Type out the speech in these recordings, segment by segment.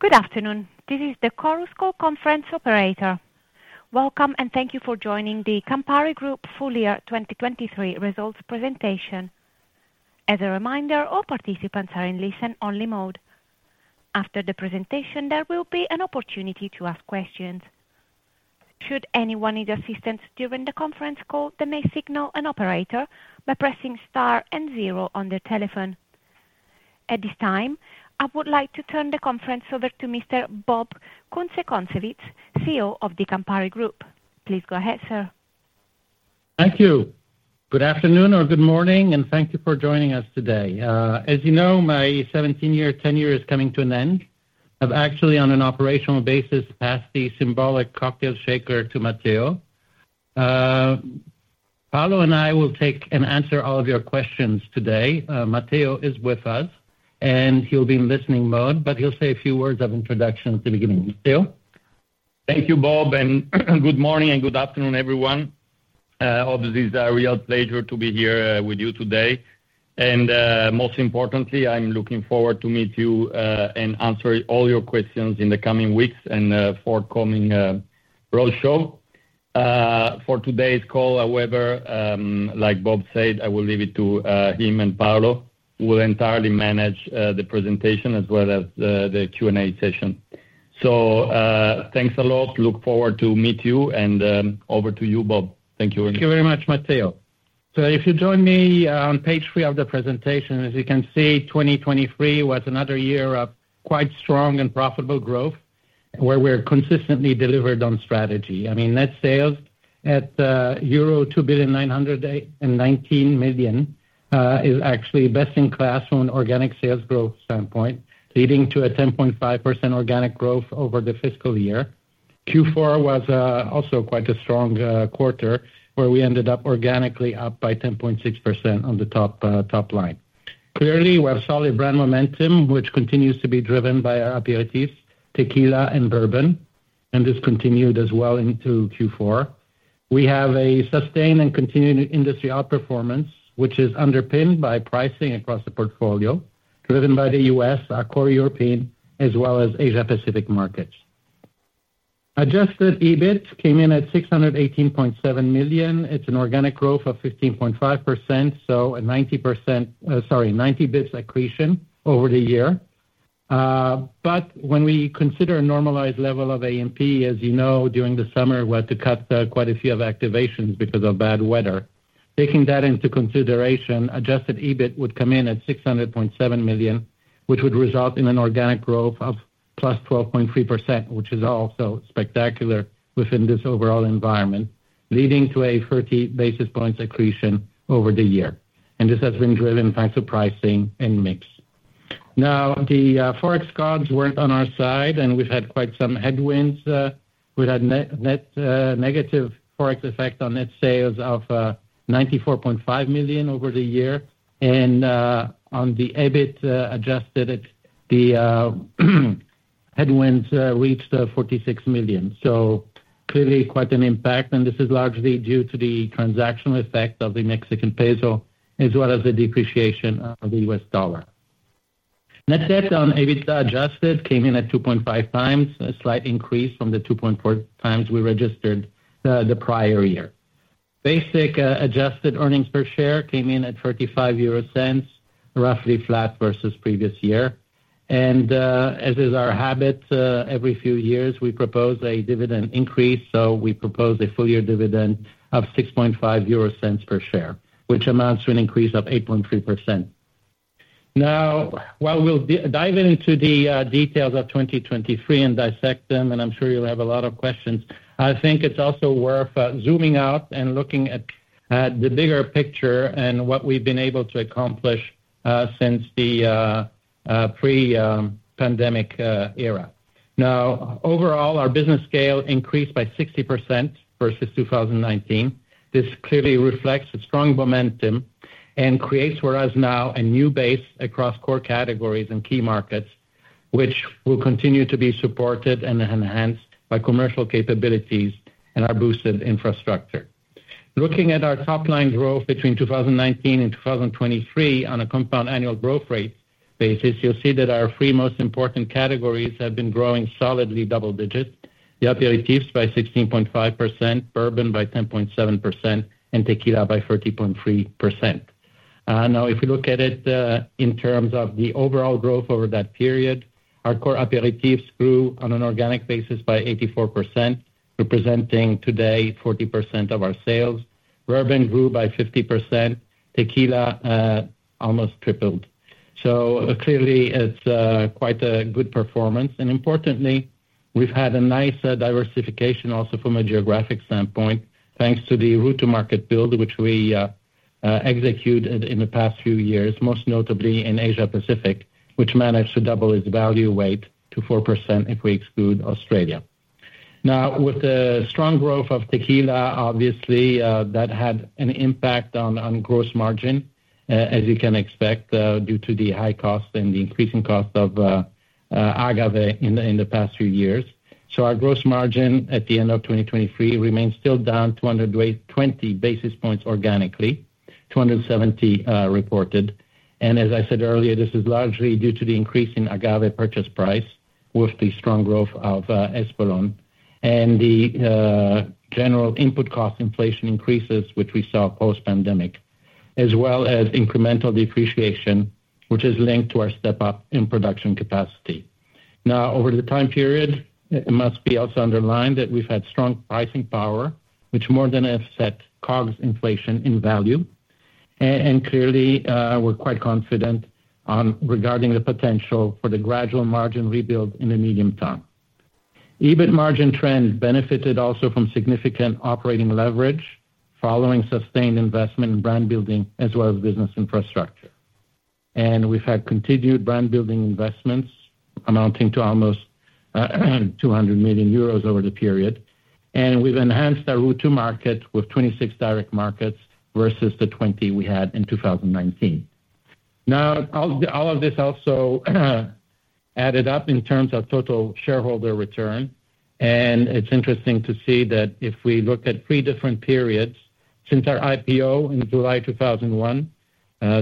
Good afternoon. This is the ChorusCall conference operator. Welcome, and thank you for joining the Campari Group Full Year 2023 results presentation. As a reminder, all participants are in listen-only mode. After the presentation, there will be an opportunity to ask questions. Should anyone need assistance during the conference call, they may signal an operator by pressing star and zero on their telephone. At this time, I would like to turn the conference over to Mr. Bob Kunze-Concewitz, CEO of the Campari Group. Please go ahead, sir. Thank you. Good afternoon, or good morning, and thank you for joining us today. As you know, my 17-year tenure is coming to an end. I've actually, on an operational basis, passed the symbolic cocktail shaker to Matteo. Paolo and I will take and answer all of your questions today. Matteo is with us, and he'll be in listening mode, but he'll say a few words of introduction at the beginning. Matteo? Thank you, Bob, and good morning and good afternoon, everyone. Obviously, it's a real pleasure to be here with you today. Most importantly, I'm looking forward to meet you, and answer all your questions in the coming weeks and forthcoming roadshow. For today's call, however, like Bob said, I will leave it to him and Paolo, who will entirely manage the presentation as well as the Q&A session. Thanks a lot. Look forward to meeting you, and over to you, Bob. Thank you very much. Thank you very much, Matteo. So if you join me on page three of the presentation, as you can see, 2023 was another year of quite strong and profitable growth, where we're consistently delivered on strategy. I mean, net sales at euro 2.919 billion is actually best in class from an organic sales growth standpoint, leading to a 10.5% organic growth over the fiscal year. Q4 was also quite a strong quarter, where we ended up organically up by 10.6% on the top line. Clearly, we have solid brand momentum, which continues to be driven by our aperitifs, tequila and bourbon, and this continued as well into Q4. We have a sustained and continued industry outperformance, which is underpinned by pricing across the portfolio, driven by the U.S., our core European, as well as Asia-Pacific markets. Adjusted EBIT came in at 618.7 million. It's an organic growth of 15.5%, so a 90 basis points accretion over the year. When we consider a normalized level of A&P, as you know, during the summer, we had to cut quite a few activations because of bad weather. Taking that into consideration, adjusted EBIT would come in at 600.7 million, which would result in an organic growth of +12.3%, which is also spectacular within this overall environment, leading to a 30 basis points accretion over the year. And this has been driven thanks to pricing and mix. Now, the forex gods weren't on our side, and we've had quite some headwinds. We've had net negative forex effect on net sales of 94.5 million over the year. And on the adjusted EBIT, the headwinds reached 46 million. Clearly, quite an impact, and this is largely due to the transactional effect of the Mexican peso as well as the depreciation of the U.S. dollar. Net debt on EBIT, adjusted came in at 2.5 times, a slight increase from the 2.4 times we registered the prior year. Basic, adjusted earnings per share came in at 0.35, roughly flat versus previous year. As is our habit, every few years, we propose a dividend increase, so we propose a full-year dividend of 0.065 per share, which amounts to an increase of 8.3%. Now, while we'll dive into the details of 2023 and dissect them, and I'm sure you'll have a lot of questions, I think it's also worth zooming out and looking at the bigger picture and what we've been able to accomplish since the pre-pandemic era. Now, overall, our business scale increased by 60% versus 2019. This clearly reflects a strong momentum and creates, whereas now, a new base across core categories and key markets, which will continue to be supported and enhanced by commercial capabilities and our boosted infrastructure. Looking at our top-line growth between 2019 and 2023 on a compound annual growth rate basis, you'll see that our three most important categories have been growing solidly double-digit: the aperitives by 16.5%, bourbon by 10.7%, and tequila by 30.3%. Now, if we look at it, in terms of the overall growth over that period, our core aperitives grew on an organic basis by 84%, representing today 40% of our sales. Bourbon grew by 50%. Tequila almost tripled. So clearly, it's quite a good performance. Importantly, we've had a nice diversification also from a geographic standpoint, thanks to the route-to-market build, which we executed in the past few years, most notably in Asia-Pacific, which managed to double its value weight to 4% if we exclude Australia. Now, with the strong growth of tequila, obviously, that had an impact on gross margin, as you can expect, due to the high cost and the increasing cost of agave in the past few years. Our gross margin at the end of 2023 remains still down 220 basis points organically, 270 reported. As I said earlier, this is largely due to the increase in agave purchase price with the strong growth of Espolòn and the general input cost inflation increases, which we saw post-pandemic, as well as incremental depreciation, which is linked to our step-up in production capacity. Now, over the time period, it must also be underlined that we've had strong pricing power, which more than offset COGS inflation in value. And clearly, we're quite confident regarding the potential for the gradual margin rebuild in the medium term. EBIT margin trend benefited also from significant operating leverage following sustained investment in brand building as well as business infrastructure. And we've had continued brand building investments amounting to almost 200 million euros over the period. And we've enhanced our route-to-market with 26 direct markets versus the 20 we had in 2019. Now, all of this also added up in terms of total shareholder return. And it's interesting to see that if we look at 3 different periods, since our IPO in July 2001,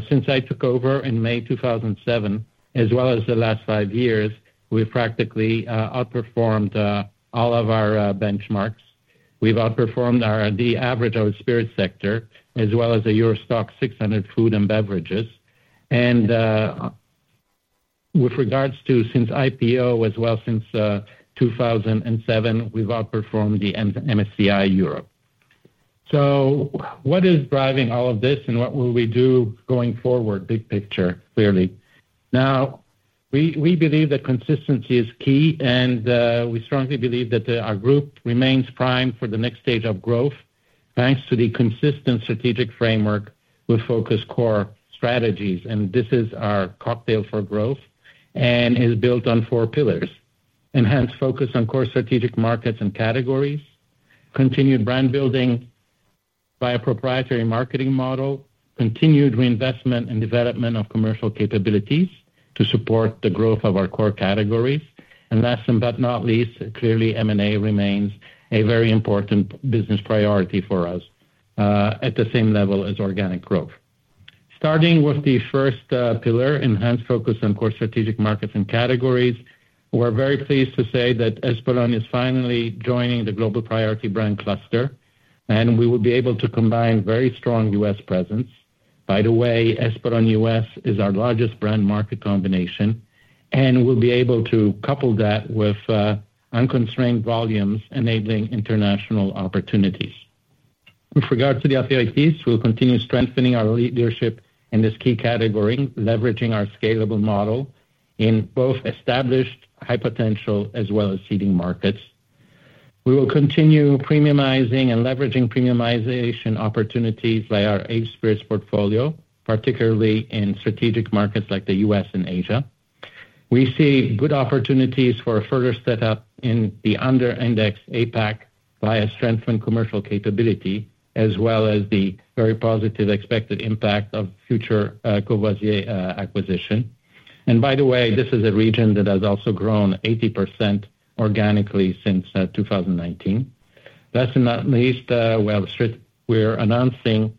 since I took over in May 2007, as well as the last five years, we've practically outperformed all of our benchmarks. We've outperformed the average of the spirits sector as well as the Euro STOXX 600 food and beverages. With regards to since IPO as well since 2007, we've outperformed the MSCI Europe. So what is driving all of this, and what will we do going forward, big picture, clearly? Now, we believe that consistency is key, and we strongly believe that our group remains prime for the next stage of growth thanks to the consistent strategic framework with focus core strategies. This is our cocktail for growth and is built on four pillars: enhanced focus on core strategic markets and categories, continued brand building via proprietary marketing model, continued reinvestment and development of commercial capabilities to support the growth of our core categories. Last but not least, clearly, M&A remains a very important business priority for us, at the same level as organic growth. Starting with the first pillar, enhanced focus on core strategic markets and categories, we're very pleased to say that Espolòn is finally joining the Global Priority Brands, and we will be able to combine very strong U.S. presence. By the way, Espolòn U.S. is our largest brand-market combination, and we'll be able to couple that with unconstrained volumes enabling international opportunities. With regards to the aperitifs, we'll continue strengthening our leadership in this key category, leveraging our scalable model in both established, high-potential as well as seeding markets. We will continue premiumizing and leveraging premiumization opportunities via our aged spirits portfolio, particularly in strategic markets like the U.S. and Asia. We see good opportunities for a further step up in the under-indexed APAC via strengthened commercial capability as well as the very positive expected impact of future Courvoisier acquisition. And by the way, this is a region that has also grown 80% organically since 2019. Last but not least, we're announcing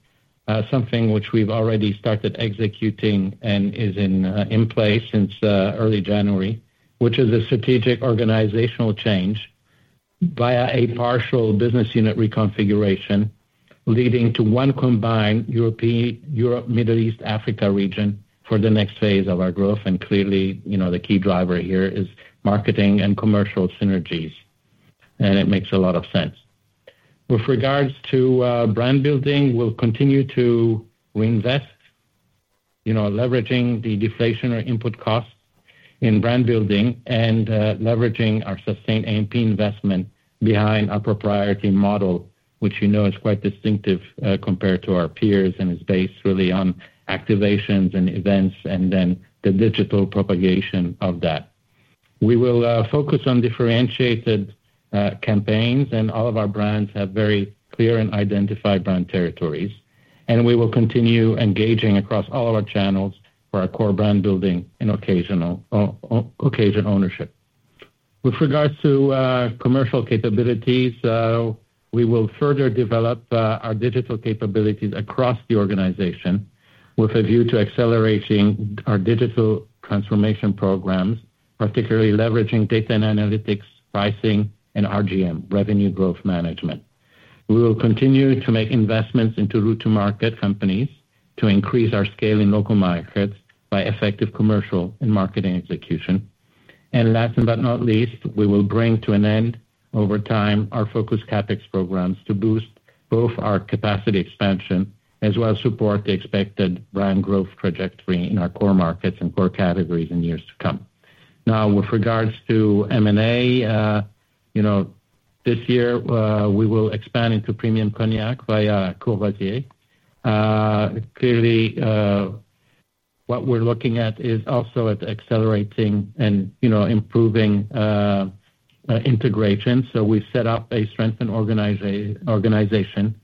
something which we've already started executing and is in place since early January, which is a strategic organizational change via a partial business unit reconfiguration leading to one combined Europe-Middle East Africa region for the next phase of our growth. And clearly, you know, the key driver here is marketing and commercial synergies, and it makes a lot of sense. With regards to brand building, we'll continue to reinvest, you know, leveraging the deflationary input costs in brand building and leveraging our sustained A&P investment behind our proprietary model, which you know is quite distinctive compared to our peers and is based really on activations and events and then the digital propagation of that. We will focus on differentiated campaigns, and all of our brands have very clear and identified brand territories. We will continue engaging across all of our channels for our core brand building and occasional ownership. With regards to commercial capabilities, we will further develop our digital capabilities across the organization with a view to accelerating our digital transformation programs, particularly leveraging data and analytics, pricing, and RGM, revenue growth management. We will continue to make investments into route-to-market companies to increase our scale in local markets by effective commercial and marketing execution. Last but not least, we will bring to an end over time our focus CapEx programs to boost both our capacity expansion as well as support the expected brand growth trajectory in our core markets and core categories in years to come. Now, with regards to M&A, you know, this year, we will expand into premium cognac via Courvoisier. Clearly, what we're looking at is also at accelerating and, you know, improving integration. So we've set up a strengthened organization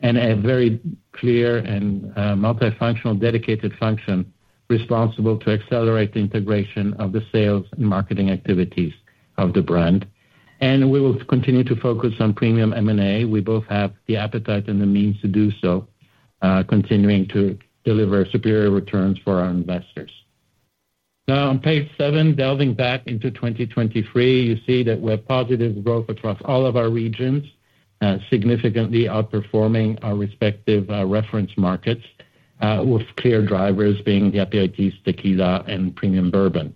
and a very clear and multifunctional dedicated function responsible to accelerate the integration of the sales and marketing activities of the brand. And we will continue to focus on premium M&A. We both have the appetite and the means to do so, continuing to deliver superior returns for our investors. Now, on page seven, delving back into 2023, you see that we have positive growth across all of our regions, significantly outperforming our respective reference markets, with clear drivers being the aperitifs, tequila, and premium bourbon.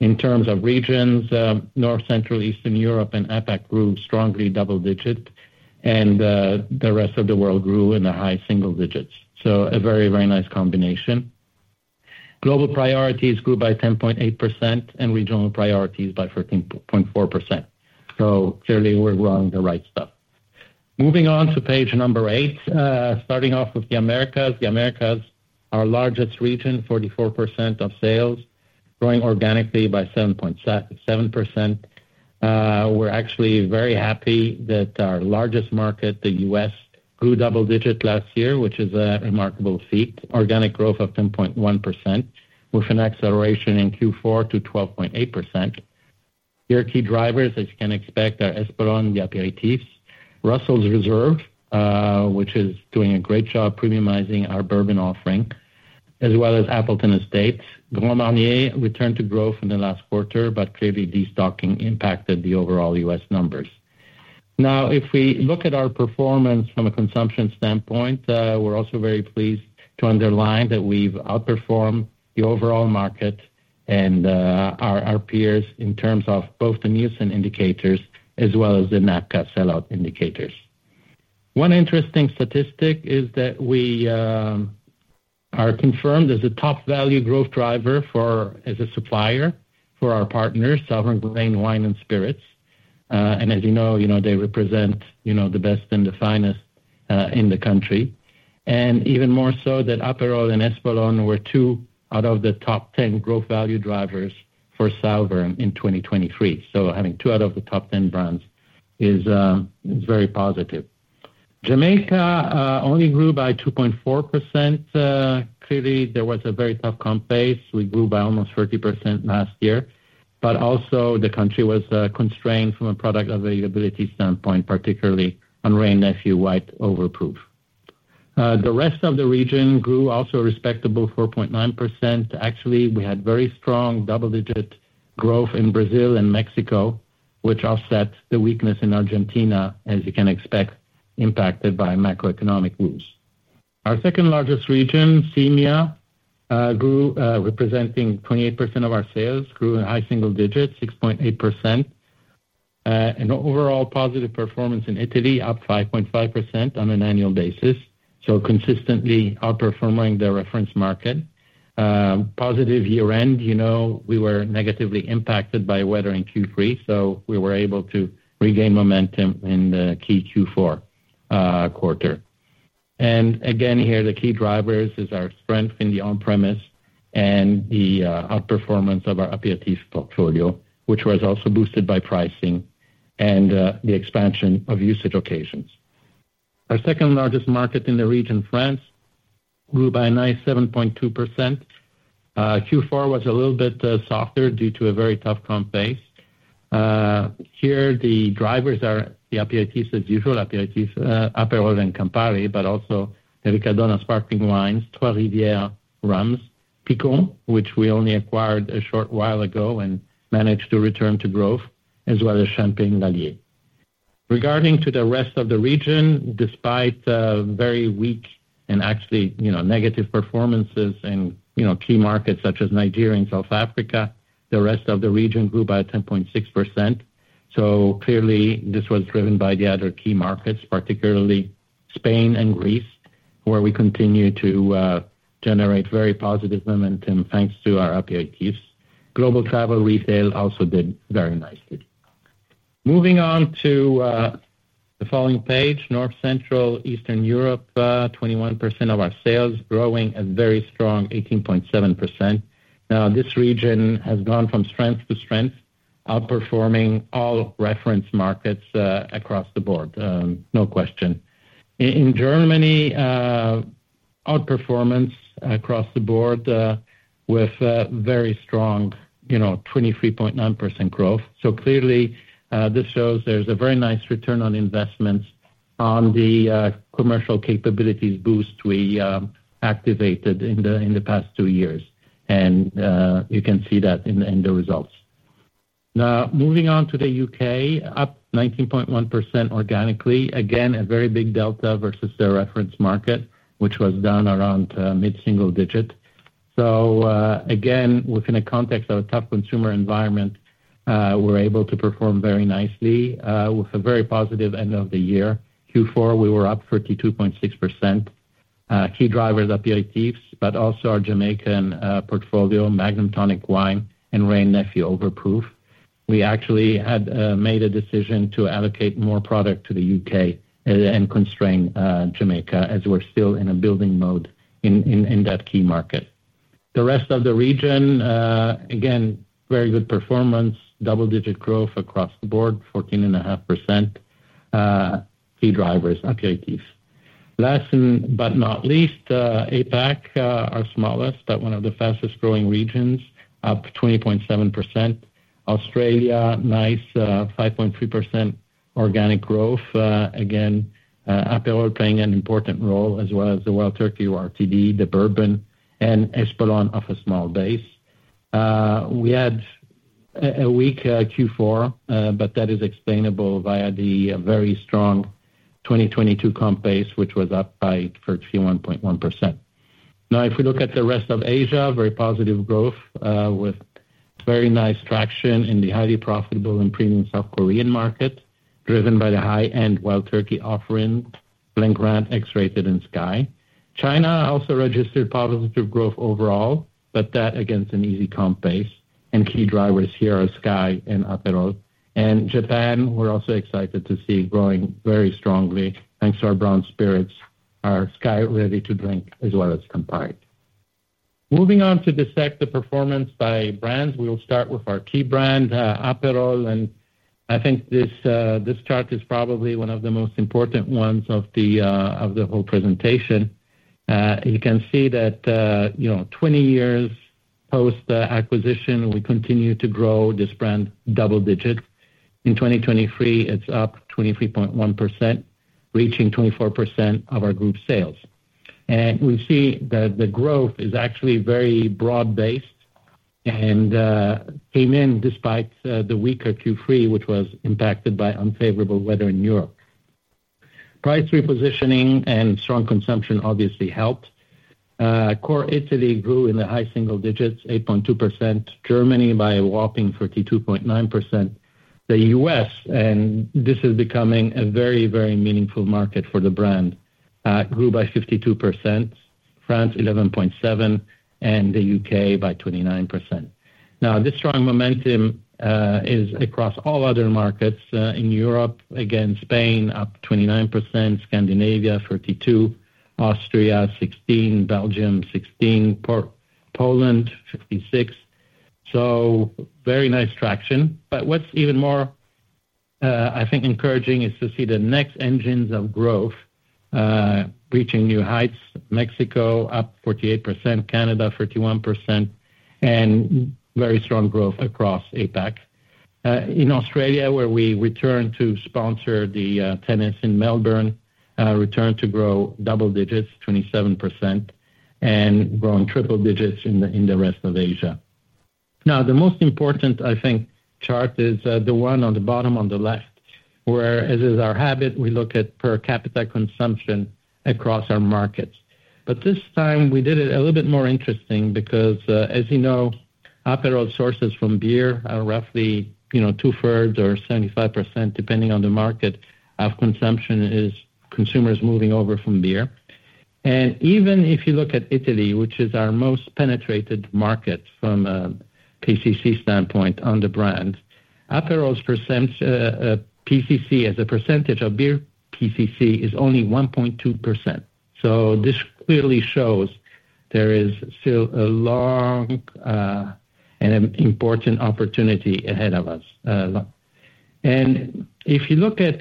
In terms of regions, North, Central, Eastern Europe, and APAC grew strongly double-digit, and the rest of the world grew in the high single digits. So a very, very nice combination. Global priorities grew by 10.8% and regional priorities by 13.4%. So clearly, we're growing the right stuff. Moving on to page 8, starting off with the Americas. The Americas are our largest region, 44% of sales, growing organically by 7.7%. We're actually very happy that our largest market, the U.S., grew double-digit last year, which is a remarkable feat, organic growth of 10.1% with an acceleration in Q4 to 12.8%. Your key drivers, as you can expect, are Espolòn, the aperitifs, Russell's Reserve, which is doing a great job premiumizing our bourbon offering, as well as Appleton Estate. Grand Marnier returned to growth in the last quarter, but clearly, destocking impacted the overall U.S. numbers. Now, if we look at our performance from a consumption standpoint, we're also very pleased to underline that we've outperformed the overall market and our peers in terms of both the Nielsen indicators as well as the NABCA sellout indicators. One interesting statistic is that we are confirmed as a top-value growth driver as a supplier for our partners, Southern Glazer's Wine and Spirits. And as you know, you know, they represent, you know, the best and the finest in the country. And even more so that Aperol and Espolòn were two out of the top 10 growth-value drivers for Southern in 2023. So having two out of the top 10 brands is very positive. Jamaica only grew by 2.4%. Clearly, there was a very tough comp base. We grew by almost 30% last year. But also, the country was constrained from a product availability standpoint, particularly on Wray & Nephew White Overproof. The rest of the region grew also respectable 4.9%. Actually, we had very strong double-digit growth in Brazil and Mexico, which offset the weakness in Argentina, as you can expect, impacted by macroeconomic issues. Our second-largest region, SEMEA, grew, representing 28% of our sales, grew in high single digit, 6.8%. An overall positive performance in Italy, up 5.5% on an annual basis, so consistently outperforming the reference market. Positive year-end. You know, we were negatively impacted by weather in Q3, so we were able to regain momentum in the key Q4 quarter. And again here, the key drivers is our strength in the on-premise and the outperformance of our aperitif portfolio, which was also boosted by pricing and the expansion of usage occasions. Our second-largest market in the region, France, grew by a nice 7.2%. Q4 was a little bit softer due to a very tough comp base. Here, the drivers are the aperitifs as usual, aperitifs, Aperol and Campari, but also Riccadonna Sparkling Wines, Trois Rivières Rums, Picon, which we only acquired a short while ago and managed to return to growth, as well as Champagne Lallier. Regarding the rest of the region, despite very weak and actually, you know, negative performances in, you know, key markets such as Nigeria and South Africa, the rest of the region grew by 10.6%. So clearly, this was driven by the other key markets, particularly Spain and Greece, where we continue to generate very positive momentum thanks to our aperitifs. Global travel retail also did very nicely. Moving on to the following page, North, Central, Eastern Europe, 21% of our sales growing at very strong 18.7%. Now, this region has gone from strength to strength, outperforming all reference markets across the board, no question. In Germany, outperformance across the board, with very strong, you know, 23.9% growth. So clearly, this shows there's a very nice return on investments on the commercial capabilities boost we activated in the past two years. And you can see that in the results. Now, moving on to the U.K., up 19.1% organically. Again, a very big delta versus the reference market, which was down around mid-single digit. So, again, within a context of a tough consumer environment, we're able to perform very nicely, with a very positive end of the year. Q4, we were up 32.6%. key drivers, aperitifs, but also our Jamaican portfolio, Magnum Tonic Wine and Wray & Nephew overproof. We actually had made a decision to allocate more product to the UK, and constrain Jamaica as we're still in a building mode in that key market. The rest of the region, again, very good performance, double-digit growth across the board, 14.5%. key drivers, aperitifs. Last but not least, APAC, our smallest but one of the fastest-growing regions, up 20.7%. Australia, nice 5.3% organic growth. Again, Aperol playing an important role as well as the Wild Turkey RTD, the bourbon, and Espolòn off a small base. We had a weak Q4, but that is explainable via the very strong 2022 comp base, which was up by 31.1%. Now, if we look at the rest of Asia, very positive growth, with very nice traction in the highly profitable and premium South Korean market driven by the high-end Wild Turkey offering, plus X-Rated and SKYY. China also registered positive growth overall, but that against an easy comp base. And key drivers here are SKYY and Aperol. And Japan, we're also excited to see growing very strongly thanks to our brown spirits, our SKYY ready to drink as well as Campari. Moving on to dissect the performance by brands, we'll start with our key brand, Aperol. And I think this, this chart is probably one of the most important ones of the, of the whole presentation. You can see that, you know, 20 years post-acquisition, we continue to grow this brand double-digit. In 2023, it's up 23.1%, reaching 24% of our group sales. And we see that the growth is actually very broad-based and came in despite the weaker Q3, which was impacted by unfavorable weather in Europe. Price repositioning and strong consumption obviously helped. Core Italy grew in the high single digits, 8.2%. Germany by a whopping 32.9%. The U.S., and this is becoming a very, very meaningful market for the brand, grew by 52%. France, 11.7%. And the U.K. by 29%. Now, this strong momentum is across all other markets. In Europe, again, Spain, up 29%. Scandinavia, 32%. Austria, 16%. Belgium, 16%. Poland, 56%. So very nice traction. But what's even more, I think encouraging is to see the next engines of growth reaching new heights. Mexico, up 48%. Canada, 31%. And very strong growth across APAC. In Australia, where we returned to sponsor the tennis in Melbourne, returned to grow double digits, 27%, and growing triple digits in the rest of Asia. Now, the most important, I think, chart is the one on the bottom on the left, where, as is our habit, we look at per capita consumption across our markets. But this time, we did it a little bit more interesting because, as you know, Aperol sources from beer, roughly, you know, two-thirds or 75% depending on the market of consumption is consumers moving over from beer. And even if you look at Italy, which is our most penetrated market from a PCC standpoint on the brand, Aperol's percent PCC as a percentage of beer PCC is only 1.2%. So this clearly shows there is still a long and an important opportunity ahead of us. If you look at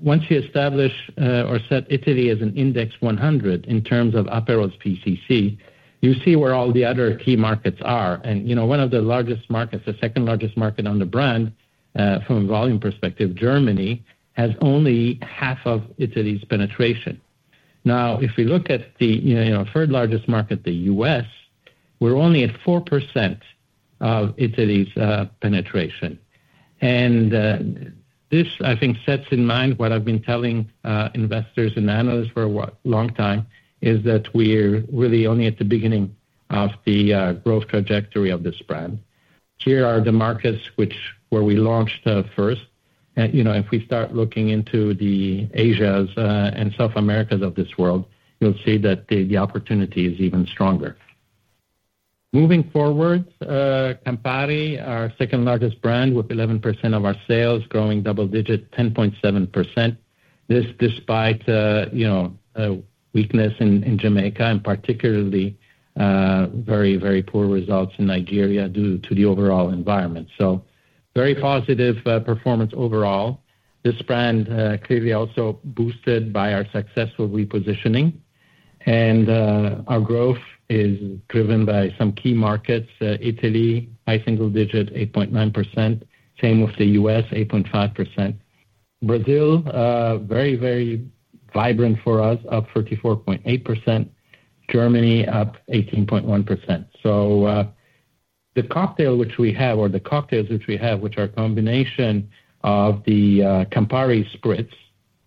once you establish, or set Italy as an index 100 in terms of Aperol's PCC, you see where all the other key markets are. You know, one of the largest markets, the second-largest market on the brand, from a volume perspective, Germany, has only half of Italy's penetration. Now, if we look at the, you know, third-largest market, the U.S., we're only at 4% of Italy's penetration. This, I think, sets in mind what I've been telling investors and analysts for a long time, is that we're really only at the beginning of the growth trajectory of this brand. Here are the markets which where we launched first. You know, if we start looking into the Asias and South Americas of this world, you'll see that the opportunity is even stronger. Moving forward, Campari, our second-largest brand with 11% of our sales, growing double-digit, 10.7%. This despite, you know, weakness in, in Jamaica and particularly, very, very poor results in Nigeria due to the overall environment. So very positive, performance overall. This brand, clearly also boosted by our successful repositioning. And, our growth is driven by some key markets. Italy, high single digit, 8.9%. Same with the U.S., 8.5%. Brazil, very, very vibrant for us, up 34.8%. Germany, up 18.1%. So, the cocktail which we have or the cocktails which we have, which are a combination of the Campari Spritz,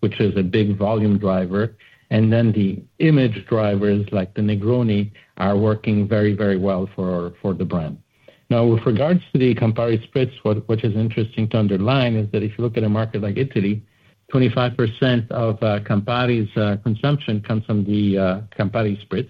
which is a big volume driver, and then the image drivers like the Negroni are working very, very well for the brand. Now, with regards to the Campari Spritz, what is interesting to underline is that if you look at a market like Italy, 25% of Campari's consumption comes from the Campari Spritz.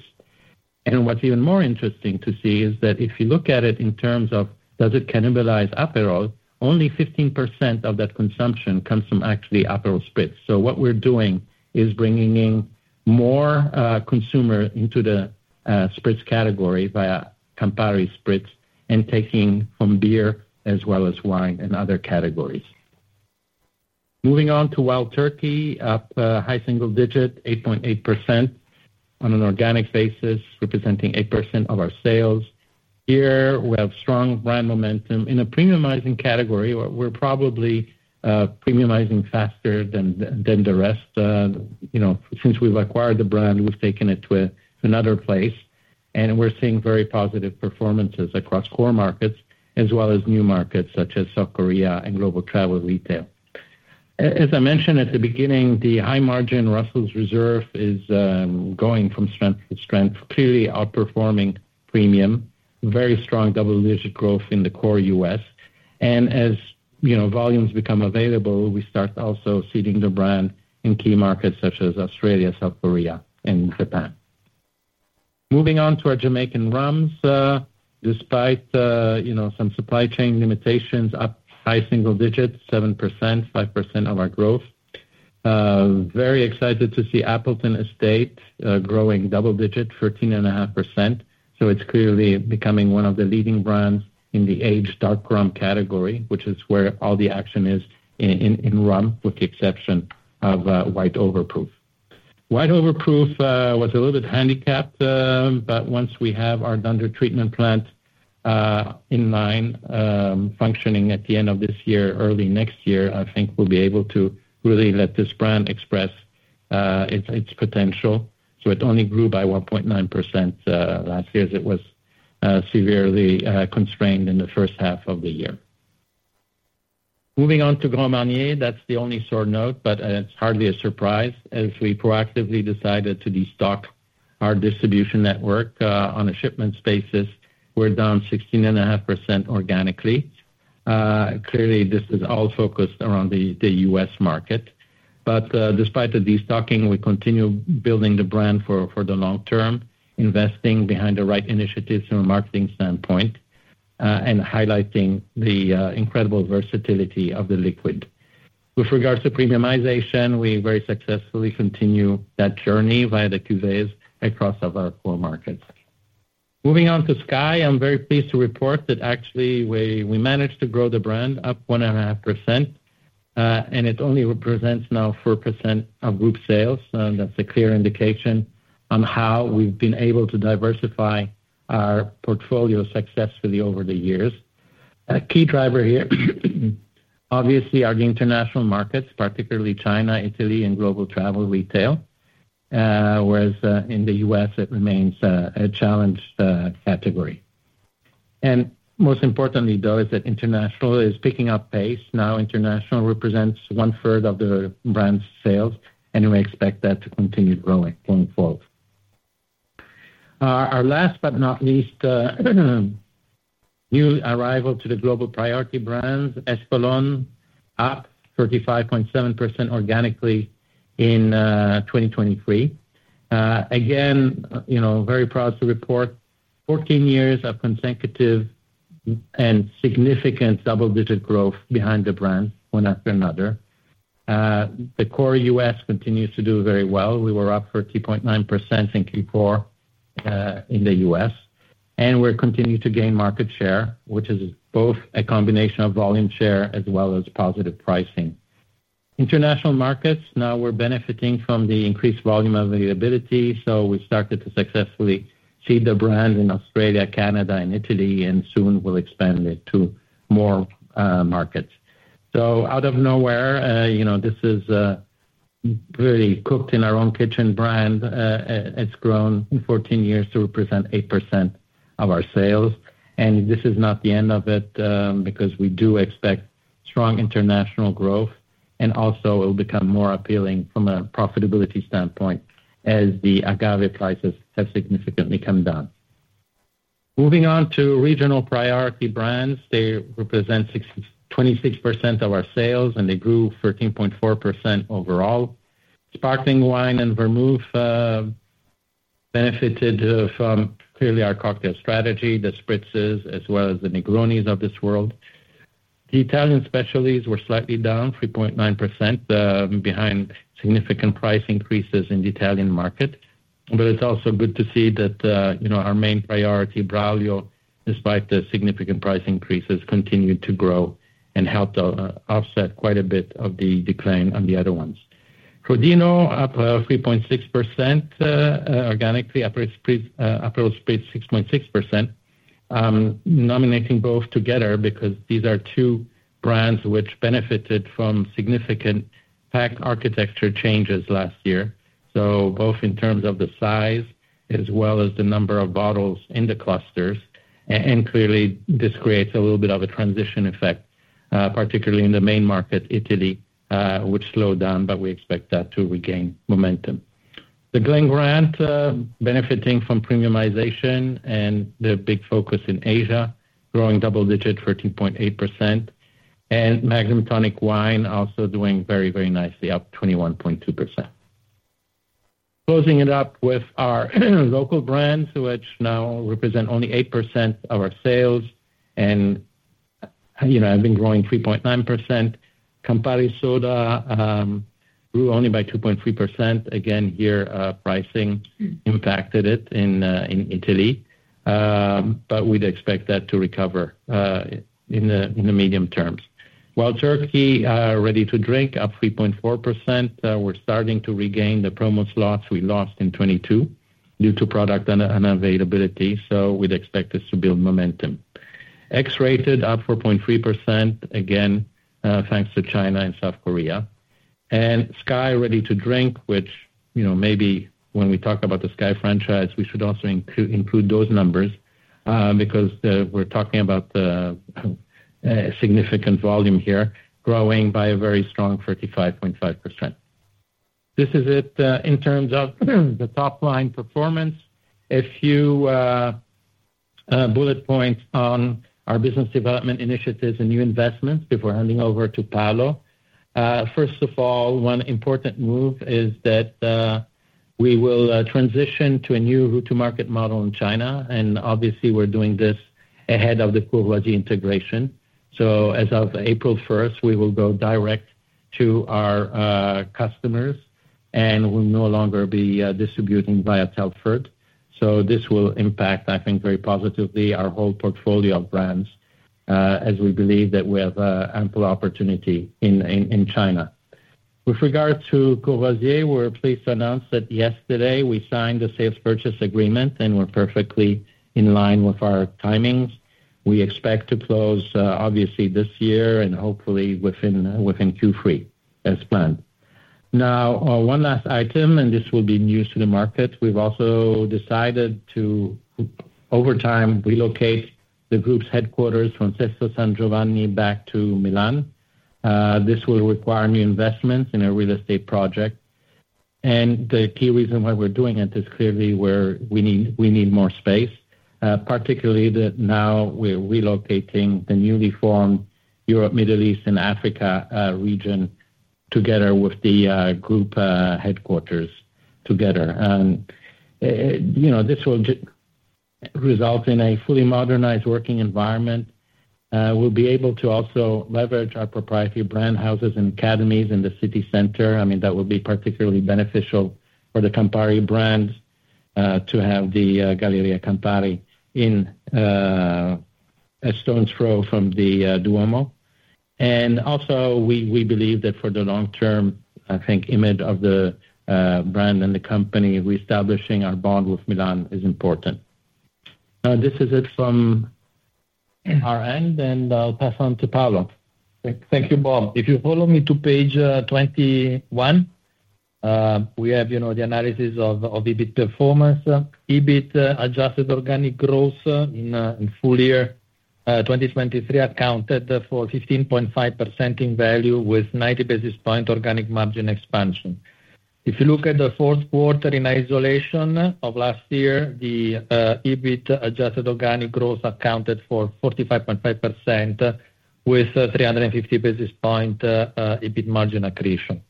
And what's even more interesting to see is that if you look at it in terms of does it cannibalize Aperol, only 15% of that consumption comes from actually Aperol Spritz. So what we're doing is bringing in more consumer into the Spritz category via Campari Spritz and taking from beer as well as wine and other categories. Moving on to Wild Turkey, up high single digit, 8.8% on an organic basis, representing 8% of our sales. Here, we have strong brand momentum. In a premiumizing category, we're probably premiumizing faster than the rest. You know, since we've acquired the brand, we've taken it to another place. We're seeing very positive performances across core markets as well as new markets such as South Korea and global travel retail. As I mentioned at the beginning, the high-margin Russell's Reserve is going from strength to strength, clearly outperforming premium. Very strong double-digit growth in the core U.S. And as, you know, volumes become available, we start also seeding the brand in key markets such as Australia, South Korea, and Japan. Moving on to our Jamaican rums, despite, you know, some supply chain limitations, up high single digit, 7%, 5% of our growth. Very excited to see Appleton Estate growing double-digit, 13.5%. So it's clearly becoming one of the leading brands in the aged dark rum category, which is where all the action is in rum with the exception of white overproof. White overproof was a little bit handicapped, but once we have our dunder treatment plant in line, functioning at the end of this year, early next year, I think we'll be able to really let this brand express its, its potential. So it only grew by 1.9% last year as it was severely constrained in the first half of the year. Moving on to Grand Marnier, that's the only sore note, but it's hardly a surprise. As we proactively decided to destock our distribution network, on a shipments basis, we're down 16.5% organically. Clearly, this is all focused around the U.S. market. But despite the destocking, we continue building the brand for, for the long term, investing behind the right initiatives from a marketing standpoint, and highlighting the incredible versatility of the liquid. With regards to premiumization, we very successfully continue that journey via the cuvées across all of our core markets. Moving on to SKYY, I'm very pleased to report that actually we managed to grow the brand up 1.5%. And it only represents now 4% of group sales. That's a clear indication on how we've been able to diversify our portfolio successfully over the years. A key driver here, obviously, are the international markets, particularly China, Italy, and global travel retail, whereas in the U.S. it remains a challenged category. And most importantly, though, is that international is picking up pace. Now, international represents 1/3 of the brand's sales. And we expect that to continue growing going forward. Our last but not least new arrival to the global priority brands, Espolòn, up 35.7% organically in 2023. Again, you know, very proud to report 14 years of consecutive and significant double-digit growth behind the brand one after another. The core U.S. continues to do very well. We were up 30.9% in Q4, in the U.S. And we're continuing to gain market share, which is both a combination of volume share as well as positive pricing. International markets, now we're benefiting from the increased volume availability. So we started to successfully seed the brand in Australia, Canada, and Italy, and soon we'll expand it to more markets. So out of nowhere, you know, this is a really cooked-in-our-own-kitchen brand. It's grown in 14 years to represent 8% of our sales. And this is not the end of it, because we do expect strong international growth. And also, it'll become more appealing from a profitability standpoint as the agave prices have significantly come down. Moving on to regional priority brands, they represent 26% of our sales, and they grew 13.4% overall. Sparkling wine and vermouth benefited from clearly our cocktail strategy, the Spritzes as well as the Negronis of this world. The Italian specialties were slightly down, 3.9%, behind significant price increases in the Italian market. But it's also good to see that, you know, our main priority, Braulio, despite the significant price increases, continued to grow and helped offset quite a bit of the decline on the other ones. Crodino, up 3.6%, organically. Aperol Spritz, Aperol Spritz, 6.6%, noting both together because these are two brands which benefited from significant pack architecture changes last year. So both in terms of the size as well as the number of bottles in the clusters. And clearly, this creates a little bit of a transition effect, particularly in the main market, Italy, which slowed down, but we expect that to regain momentum. The Glen Grant, benefiting from premiumization and the big focus in Asia, growing double-digit, 13.8%. And Magnum Tonic Wine also doing very, very nicely, up 21.2%. Closing it up with our local brands, which now represent only 8% of our sales and, you know, have been growing 3.9%. Campari Soda grew only by 2.3%. Again, here, pricing impacted it in Italy. But we'd expect that to recover in the medium terms. Wild Turkey ready to drink, up 3.4%. We're starting to regain the promo slots we lost in 2022 due to product unavailability. So we'd expect this to build momentum. X-Rated, up 4.3%, again, thanks to China and South Korea. SKYY ready-to-drink, which, you know, maybe when we talk about the SKYY franchise, we should also include those numbers, because we're talking about significant volume here, growing by a very strong 35.5%. This is it in terms of the top-line performance. A few bullet points on our business development initiatives and new investments before handing over to Paolo. First of all, one important move is that we will transition to a new route-to-market model in China. And obviously, we're doing this ahead of the Courvoisier integration. So as of April 1st, we will go direct to our customers. And we'll no longer be distributing via Telford. So this will impact, I think, very positively our whole portfolio of brands, as we believe that we have ample opportunity in China. With regard to Courvoisier, we're pleased to announce that yesterday, we signed the sales-purchase agreement, and we're perfectly in line with our timings. We expect to close, obviously, this year and hopefully within Q3 as planned. Now, one last item, and this will be new to the market. We've also decided to, over time, relocate the group's headquarters, Sesto San Giovanni, back to Milan. This will require new investments in a real estate project. And the key reason why we're doing it is clearly where we need more space, particularly that now we're relocating the newly formed Europe, Middle East, and Africa, region together with the, group, headquarters together. You know, this will just result in a fully modernized working environment. We'll be able to also leverage our proprietary brand houses and academies in the city center. I mean, that will be particularly beneficial for the Campari brand, to have the Galleria Campari in a stone's throw from the Duomo. And also, we believe that for the long term, I think image of the brand and the company, reestablishing our bond with Milan is important. Now, this is it from our end. And I'll pass on to Paolo. Thank you, Bob. If you follow me to page 21, we have, you know, the analysis of of EBIT performance. EBIT adjusted organic growth in in full year 2023 accounted for 15.5% in value with 90 basis point organic margin expansion. If you look at the fourth quarter in isolation of last year, the EBIT adjusted organic growth accounted for 45.5% with 350 basis point EBIT margin accretion.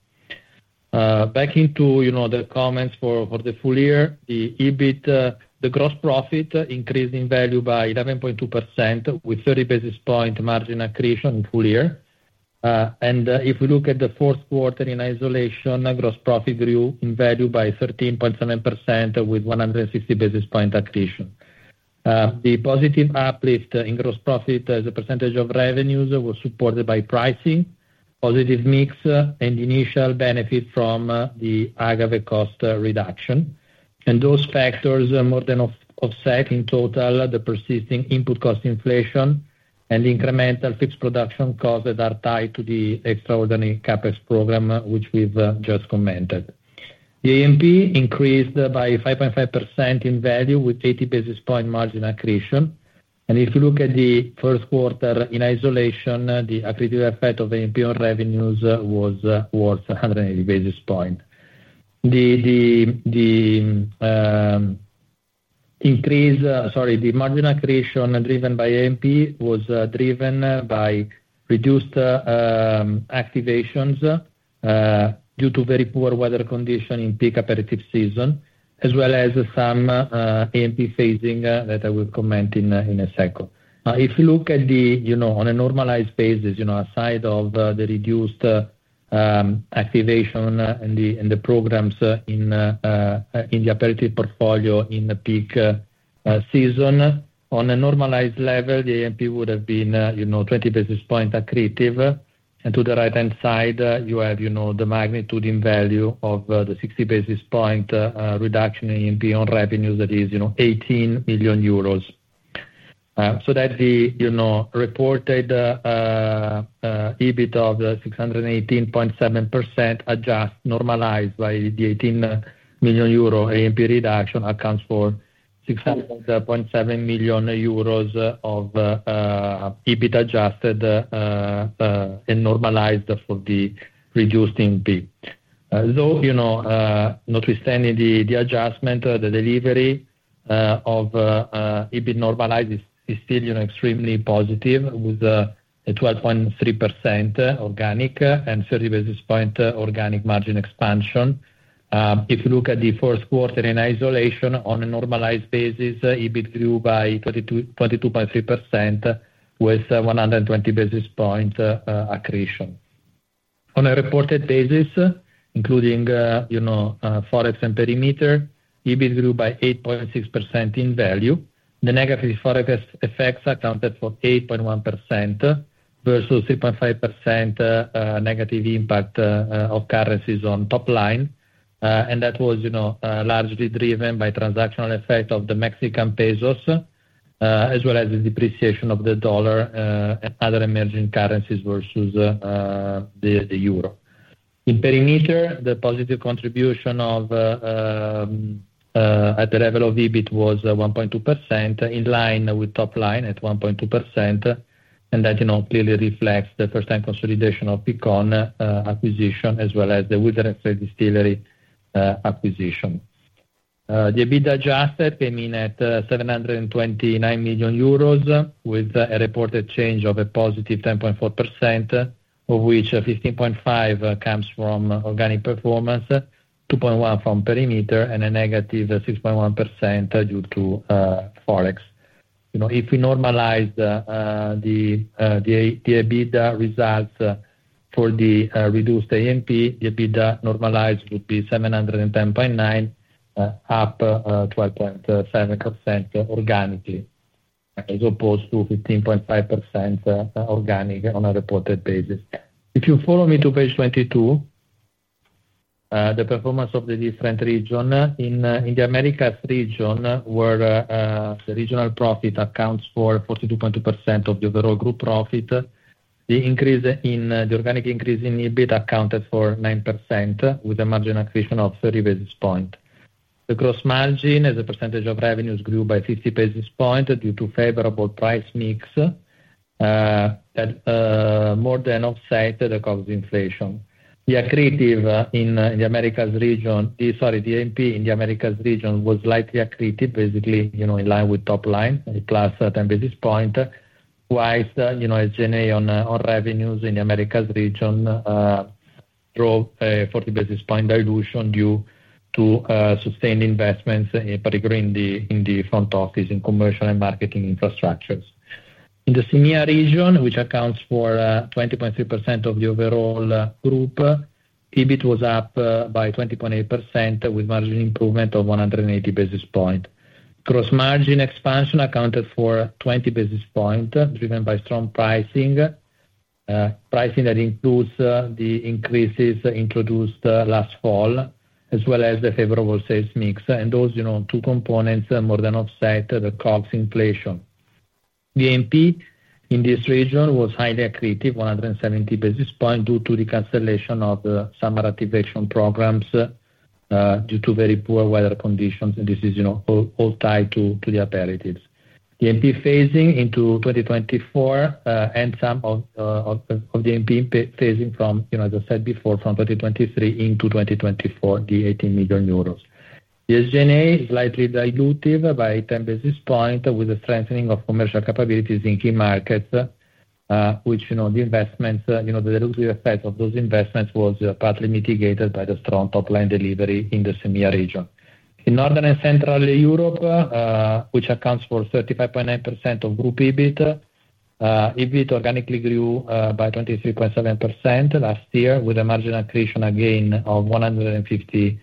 Back into, you know, the comments for, for the full year, the EBIT, the gross profit increased in value by 11.2% with 30 basis point margin accretion in full year. If we look at the fourth quarter in isolation, gross profit grew in value by 13.7% with 160 basis point accretion. The positive uplift in gross profit as a percentage of revenues was supported by pricing, positive mix, and initial benefit from the agave cost reduction. Those factors more than offset in total the persisting input cost inflation and incremental fixed production costs that are tied to the extraordinary CapEx program, which we've just commented. The AP increased by 5.5% in value with 80 basis point margin accretion. If you look at the first quarter in isolation, the accretive effect of A&P on revenues was worth 180 basis point. The increase, sorry, the margin accretion driven by A&P was driven by reduced activations due to very poor weather condition in peak aperitive season as well as some A&P phasing that I will comment in a second. Now, if you look at, you know, on a normalized basis, you know, aside of the reduced activation in the programs in the aperitive portfolio in the peak season, on a normalized level, the A&P would have been, you know, 20 basis points accretive. And to the right-hand side, you have, you know, the magnitude in value of the 60 basis points reduction in A&P on revenues that is, you know, 18 million euros. So that the, you know, reported EBIT of 618.7 million adjusted normalized by the 18 million euro A&P reduction accounts for 600.7 million euros of EBIT adjusted and normalized for the reduced A&P. Though, you know, notwithstanding the adjustment, the delivery of EBIT normalized is still, you know, extremely positive with a 12.3% organic and 30 basis point organic margin expansion. If you look at the first quarter in isolation, on a normalized basis, EBIT grew by 22.3% with 120 basis point accretion. On a reported basis, including, you know, Forex and Perimeter, EBIT grew by 8.6% in value. The negative Forex effects accounted for 8.1% versus 3.5% negative impact of currencies on top line. And that was, you know, largely driven by transactional effect of the Mexican pesos, as well as the depreciation of the dollar, and other emerging currencies versus the euro. In Perimeter, the positive contribution of, at the level of EBIT was 1.2% in line with top line at 1.2%. And that, you know, clearly reflects the first-time consolidation of Picon acquisition as well as the Wilderness Trail Distillery acquisition. The adjusted EBIT came in at 729 million euros with a reported change of a positive 10.4%, of which 15.5% comes from organic performance, 2.1% from Perimeter, and a negative 6.1% due to Forex. You know, if we normalized the EBIT results for the reduced A&P, the normalized EBIT would be 710.9 million, up 12.7% organically as opposed to 15.5% organic on a reported basis. If you follow me to page 22, the performance of the different region in the Americas region were, the regional profit accounts for 42.2% of the overall group profit. The increase in the organic increase in EBIT accounted for 9% with a margin accretion of 30 basis point. The gross margin as a percentage of revenues grew by 50 basis points due to favorable price mix that more than offset the cost of inflation. The A&P in the Americas region was slightly accretive, basically, you know, in line with top line, +10 basis points. While, you know, SG&A on revenues in the Americas region drove 40 basis points dilution due to sustained investments, particularly in the front office, in commercial and marketing infrastructures. In the SEMEA region, which accounts for 20.3% of the overall group, EBIT was up by 20.8% with margin improvement of 180 basis points. Gross margin expansion accounted for 20 basis points driven by strong pricing, pricing that includes the increases introduced last fall as well as the favorable sales mix. Those, you know, two components more than offset the cost inflation. The A&P in this region was highly accretive, 170 basis points due to the cancellation of the summer activation programs, due to very poor weather conditions. And this is, you know, all tied to the aperitifs. The A&P phasing into 2024, and some of the A&P phasing from, you know, as I said before, from 2023 into 2024, the 18 million euros. The SG&A is slightly dilutive by 10 basis points with a strengthening of commercial capabilities in key markets, which, you know, the investments you know, the dilutive effect of those investments was partly mitigated by the strong top line delivery in the SIMEA region. In Northern and Central Europe, which accounts for 35.9% of group EBIT, EBIT organically grew by 23.7% last year with a margin accretion again of 150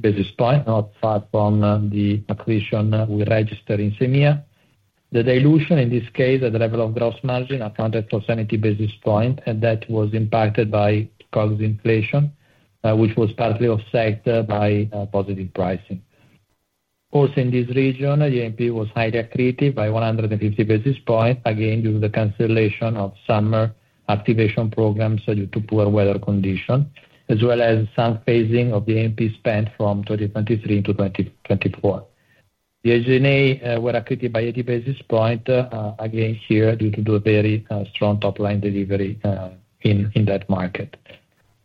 basis points, not far from the accretion we registered in SIMEA. The dilution in this case at the level of gross margin accounted for 70 basis points. That was impacted by cost inflation, which was partly offset by positive pricing. Also, in this region, the A&P was highly accretive by 150 basis points again due to the cancellation of summer activation programs due to poor weather conditions as well as some phasing of the A&P spend from 2023 into 2024. The SG&A were accretive by 80 basis points, again here due to the very strong top line delivery in that market.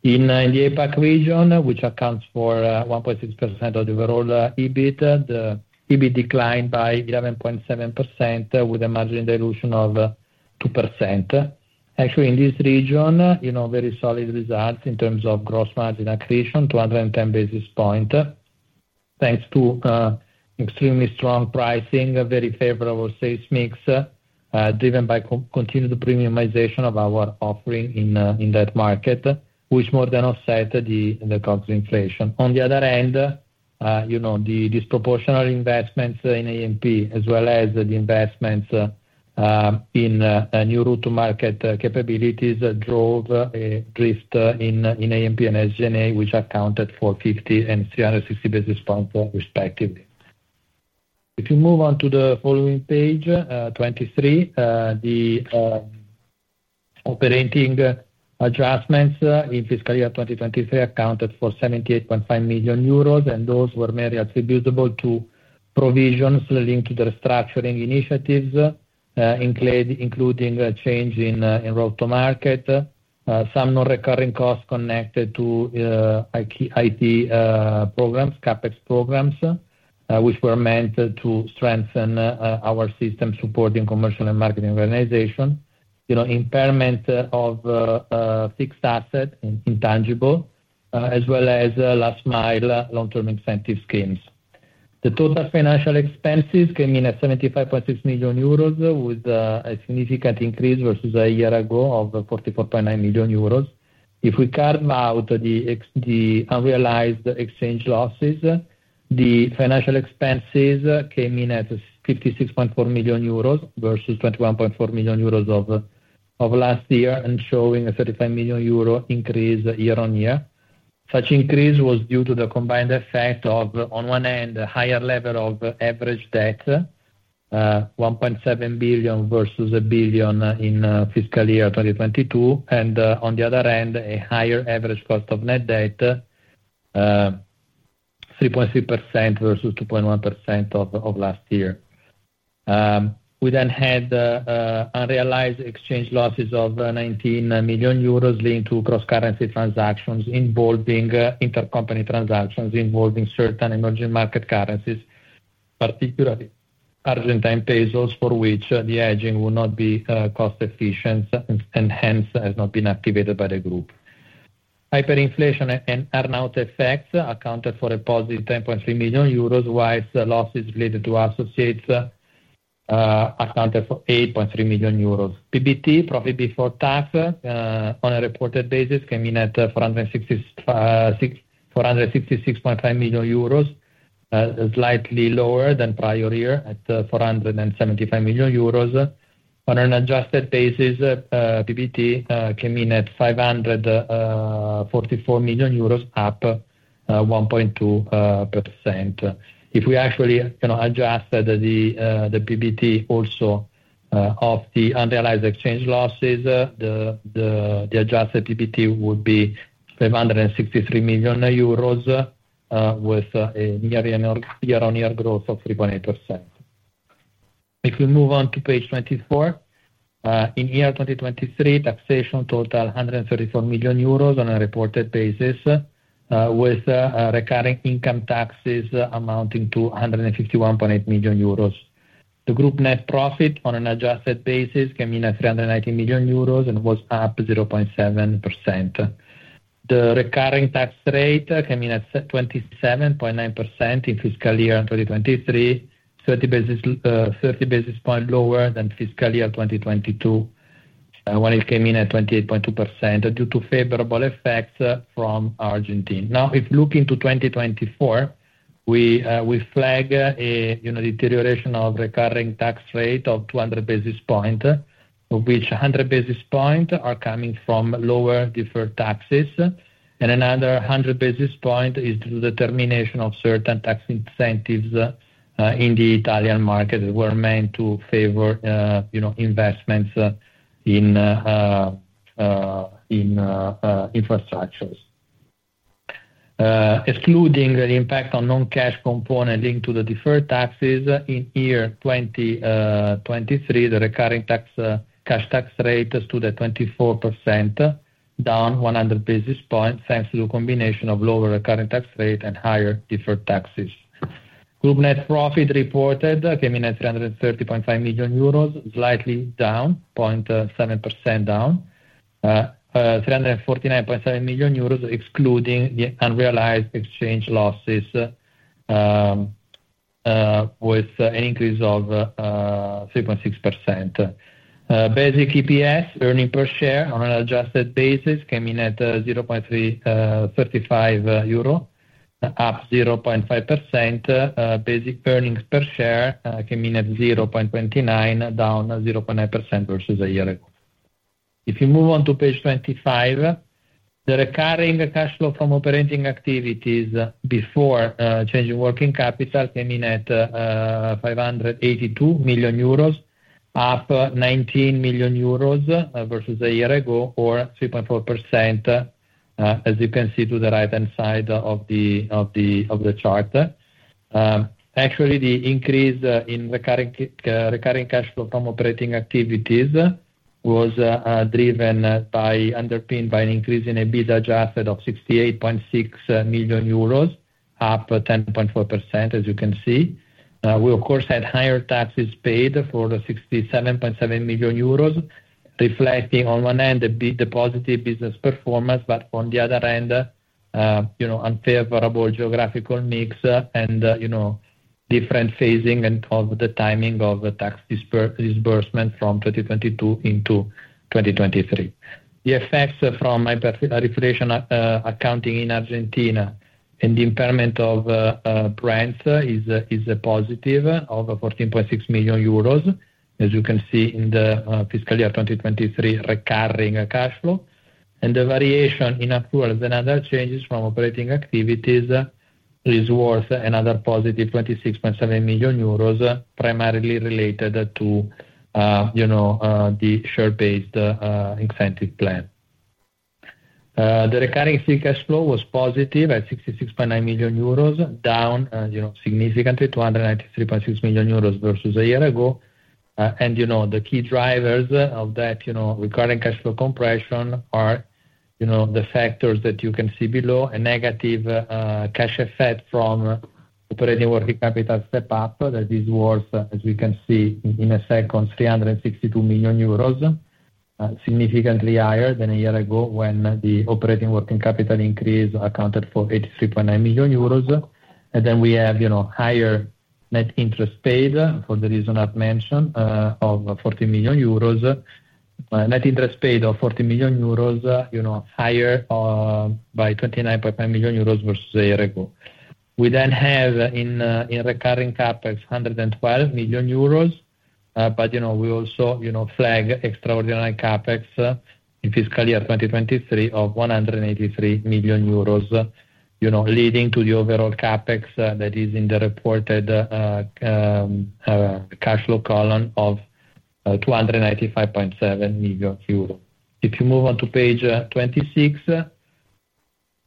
In the APAC region, which accounts for 1.6% of the overall EBIT, the EBIT declined by 11.7% with a margin dilution of 2%. Actually, in this region, you know, very solid results in terms of gross margin accretion, 210 basis points thanks to extremely strong pricing, very favorable sales mix, driven by continued premiumization of our offering in that market, which more than offset the cost inflation. On the other hand, you know, the disproportionate investments in A&P as well as the investments in new route-to-market capabilities drove a drift in A&P and SG&A, which accounted for 50 and 360 basis points, respectively. If you move on to the following page 23, the operating adjustments in fiscal year 2023 accounted for 78.5 million euros. Those were merely attributable to provisions linked to the restructuring initiatives, including a change in route-to-market, some non-recurring costs connected to IT programs, CapEx programs, which were meant to strengthen our system supporting commercial and marketing organization, you know, impairment of fixed assets, intangible, as well as last-mile long-term incentive schemes. The total financial expenses came in at 75.6 million euros with a significant increase versus a year ago of 44.9 million euros. If we carve out the unrealized exchange losses, the financial expenses came in at 56.4 million euros versus 21.4 million euros of last year and showing a 35 million euro increase year on year. Such increase was due to the combined effect of, on one hand, a higher level of average debt, 1.7 billion versus 1 billion in fiscal year 2022. On the other hand, a higher average cost of net debt, 3.3% versus 2.1% of last year. We then had unrealized exchange losses of 19 million euros linked to cross-currency transactions involving intercompany transactions involving certain emerging market currencies, particularly Argentine pesos, for which the hedging would not be cost-efficient and hence has not been activated by the group. Hyperinflation and earn-out effects accounted for a positive 10.3 million euros. While losses related to associates accounted for 8.3 million euros. PBT, profit before tax, on a reported basis came in at 466.5 million euros, slightly lower than prior year at 475 million euros. On an adjusted basis, PBT came in at 544 million euros, up 1.2%. If we actually, you know, adjusted the PBT also off the unrealized exchange losses, the adjusted PBT would be 563 million euros, with a year-on-year growth of 3.8%. If we move on to page 24, in year 2023, taxation total 134 million euros on a reported basis, with recurring income taxes amounting to 151.8 million euros. The group net profit on an adjusted basis came in at 390 million euros and was up 0.7%. The recurring tax rate came in at 27.9% in fiscal year 2023, 30 basis points lower than fiscal year 2022, when it came in at 28.2% due to favorable effects from Argentina. Now, if you look into 2024, we flag a, you know, deterioration of recurring tax rate of 200 basis points, of which 100 basis points are coming from lower deferred taxes. And another 100 basis points is due to the termination of certain tax incentives, in the Italian market that were meant to favor, you know, investments in infrastructures. Excluding the impact on non-cash component linked to the deferred taxes, in year 2023, the recurring tax cash tax rate stood at 24%, down 100 basis point thanks to the combination of lower recurring tax rate and higher deferred taxes. Group net profit reported came in at 330.5 million euros, slightly down, 0.7% down, 349.7 million euros excluding the unrealized exchange losses, with an increase of 3.6%. Basic EPS, earnings per share on an adjusted basis came in at 0.35 euro, up 0.5%. Basic earnings per share came in at 0.29, down 0.9% versus a year ago. If you move on to page 25, the recurring cash flow from operating activities before changing working capital came in at 582 million euros, up 19 million euros versus a year ago or 3.4%, as you can see to the right-hand side of the chart. Actually, the increase in recurring cash flow from operating activities was, driven by underpinned by an increase in EBIT adjusted of 68.6 million euros, up 10.4%, as you can see. We, of course, had higher taxes paid of the 67.7 million euros, reflecting, on one hand, the positive business performance, but on the other hand, you know, unfavorable geographical mix and, you know, different phasing and of the timing of the tax disbursement from 2022 into 2023. The effects from hyperinflation accounting in Argentina and the impairment of, brands is a positive of 14.6 million euros, as you can see in the, fiscal year 2023 recurring cash flow. And the variation in accruals and other changes from operating activities is worth another positive 26.7 million euros, primarily related to, you know, the share-based, incentive plan. The recurring free cash flow was positive at 66.9 million euros, down, you know, significantly, 293.6 million euros versus a year ago. You know, the key drivers of that, you know, recurring cash flow compression are, you know, the factors that you can see below, a negative cash effect from operating working capital step-up that is worth, as we can see in a second, 362 million euros, significantly higher than a year ago when the operating working capital increase accounted for 83.9 million euros. We have, you know, higher net interest paid for the reason I've mentioned, of 40 million euros. Net interest paid of 40 million euros, you know, higher, by 29.5 million euros versus a year ago. We then have in recurring CapEx, 112 million euros but, you know, we also, you know, flag extraordinary CapEx in fiscal year 2023 of 183 million euros, you know, leading to the overall CapEx that is in the reported, cash flow column of, 295.7 million euro. If you move on to page 26,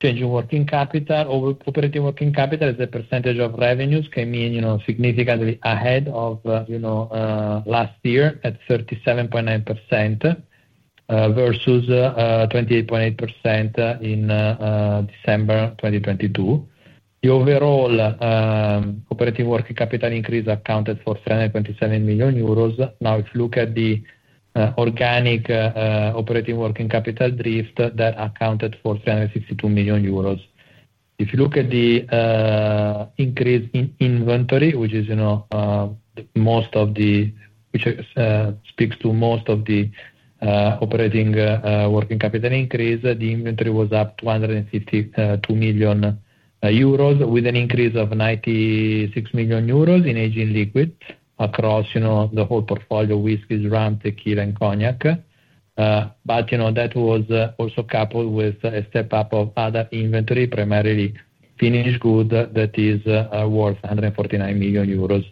changing working capital over operating working capital as a percentage of revenues came in, you know, significantly ahead of, you know, last year at 37.9%, versus, 28.8% in, December 2022. The overall, operating working capital increase accounted for 327 million euros. Now, if you look at the, organic, operating working capital drift, that accounted for 362 million euros. If you look at the, increase in inventory, which is, you know, most of which, speaks to most of the, operating, working capital increase, the inventory was up 252 million euros with an increase of 96 million euros in aging liquid across, you know, the whole portfolio. Whisky, rum, tequila, and cognac. But, you know, that was also coupled with a step-up of other inventory, primarily finished goods that is worth 149 million euros.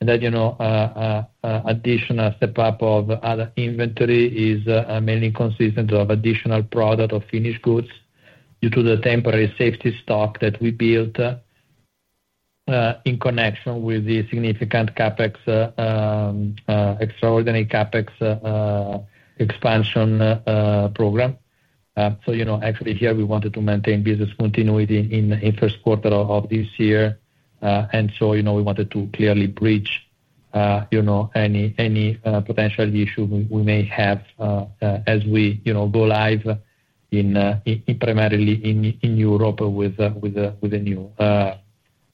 And that, you know, additional step-up of other inventory is mainly consistent of additional product of finished goods due to the temporary safety stock that we built, in connection with the significant CapEx, extraordinary CapEx, expansion, program. So, you know, actually, here, we wanted to maintain business continuity in the first quarter of this year. And so, you know, we wanted to clearly bridge, you know, any, any, potential issue we may have, as we, you know, go live in, primarily in, in Europe with, with, with the new,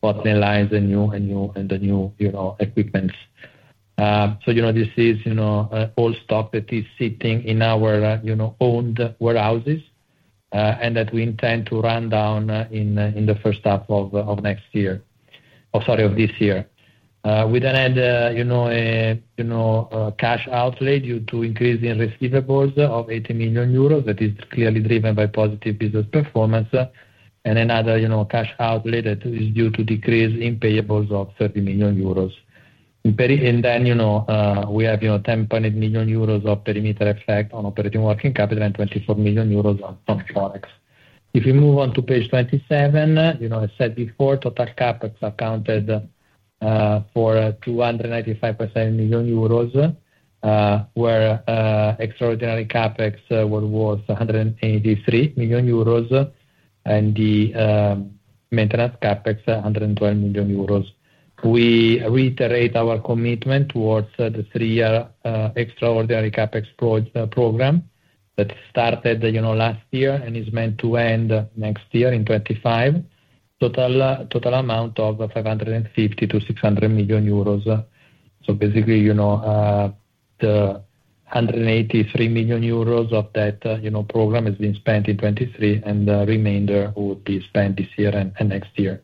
bottom lines and new and new and the new, you know, equipments. You know, this is, you know, all stock that is sitting in our, you know, owned warehouses, and that we intend to run down in, in the first half of, of next year or sorry, of this year. We then had, you know, a, you know, cash outlay due to increase in receivables of 80 million euros that is clearly driven by positive business performance. Another, you know, cash outlay that is due to decrease in payables of 30 million euros. We have, you know, 10.8 million euros of perimeter effect on operating working capital and 24 million euros on Forex. If you move on to page 27, you know, as said before, total CapEx accounted for 295.7 million euros, where extraordinary CapEx was worth 183 million euros and the maintenance CapEx 112 million euros. We reiterate our commitment towards the three-year, extraordinary CapEx program that started, you know, last year and is meant to end next year in 2025, total, total amount of 550 million- 600 million euros. So, basically, you know, the 183 million euros of that, you know, program has been spent in 2023, and the remainder would be spent this year and next year.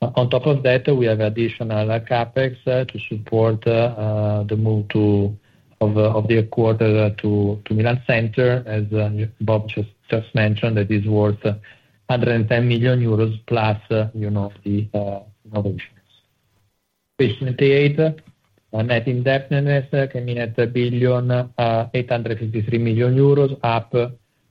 On top of that, we have additional CapEx to support the move of the headquarters to Milan center, as Bob just mentioned, that is worth 110 million euros plus, you know, the innovations. Page 28, net indebtedness came in at 1,853 million euros, up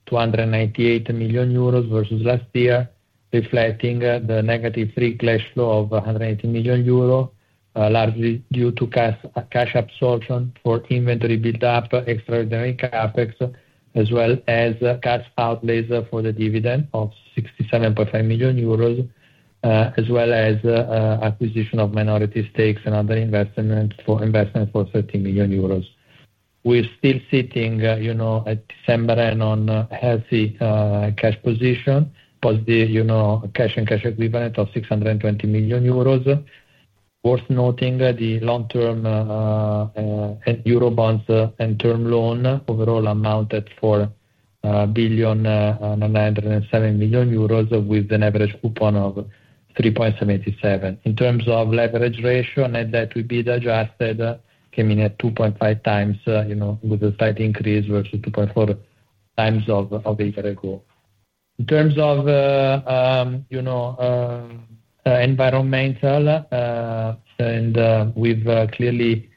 298 million euros versus last year, reflecting the negative free cash flow of 180 million euro, largely due to cash absorption for inventory buildup, extraordinary CapEx, as well as cash outlays for the dividend of 67.5 million euros, as well as, acquisition of minority stakes and other investments for investment for 30 million euros. We're still sitting, you know, at December and on healthy, cash position, positive, you know, cash and cash equivalent of 620 million euros. Worth noting the long-term, and Eurobonds and term loan overall amounted for 1,907 million euros with an average coupon of 3.77%. In terms of leverage ratio, net debt to EBIT adjusted came in at 2.5 times, you know, with a slight increase versus 2.4 times of, of a year ago. In terms of, you know, environmental, and, we've clearly,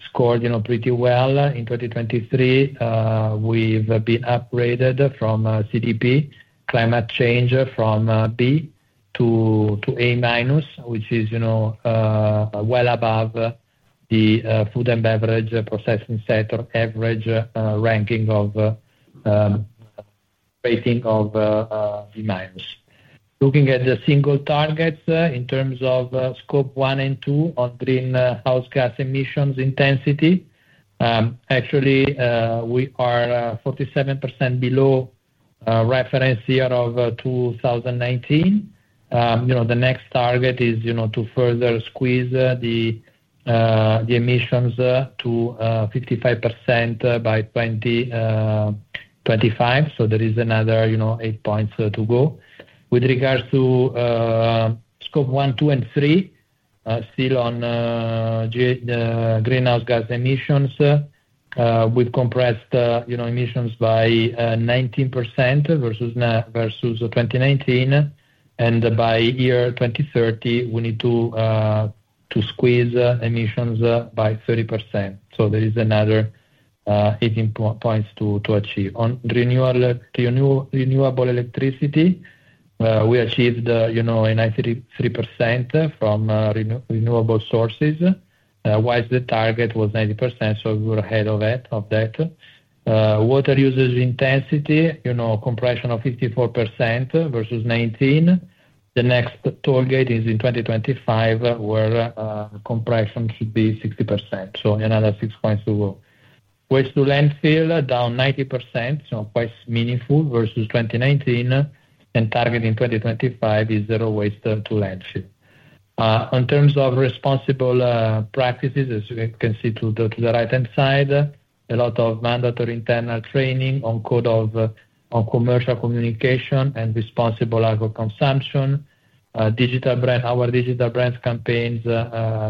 scored, you know, pretty well in 2023. We've been upgraded from CDP Climate Change from B to A minus, which is, you know, well above the food and beverage processing sector average rating of B minus. Looking at the specific targets in terms of Scope 1 and 2 on greenhouse gas emissions intensity, actually, we are 47% below reference year of 2019. You know, the next target is, you know, to further squeeze the emissions to 55% by 2025. So there is another, you know, 8 points to go. With regards to Scope 1, 2, and 3, still on greenhouse gas emissions, we've compressed, you know, emissions by 19% versus 2019. And by year 2030, we need to squeeze emissions by 30%. So there is another 18 points to achieve. On renewable electricity, we achieved, you know, a 93% from renewable sources. Whilst the target was 90%, so we were ahead of that of that. Water usage intensity, you know, compression of 54% versus 19%. The next target is in 2025 where compression should be 60%. So another six points to go. Waste to landfill down 90%, so quite meaningful versus 2019. And target in 2025 is zero waste to landfill. In terms of responsible practices, as you can see to the right-hand side, a lot of mandatory internal training on code of commercial communication and responsible alcohol consumption. Digital brand our digital brands campaigns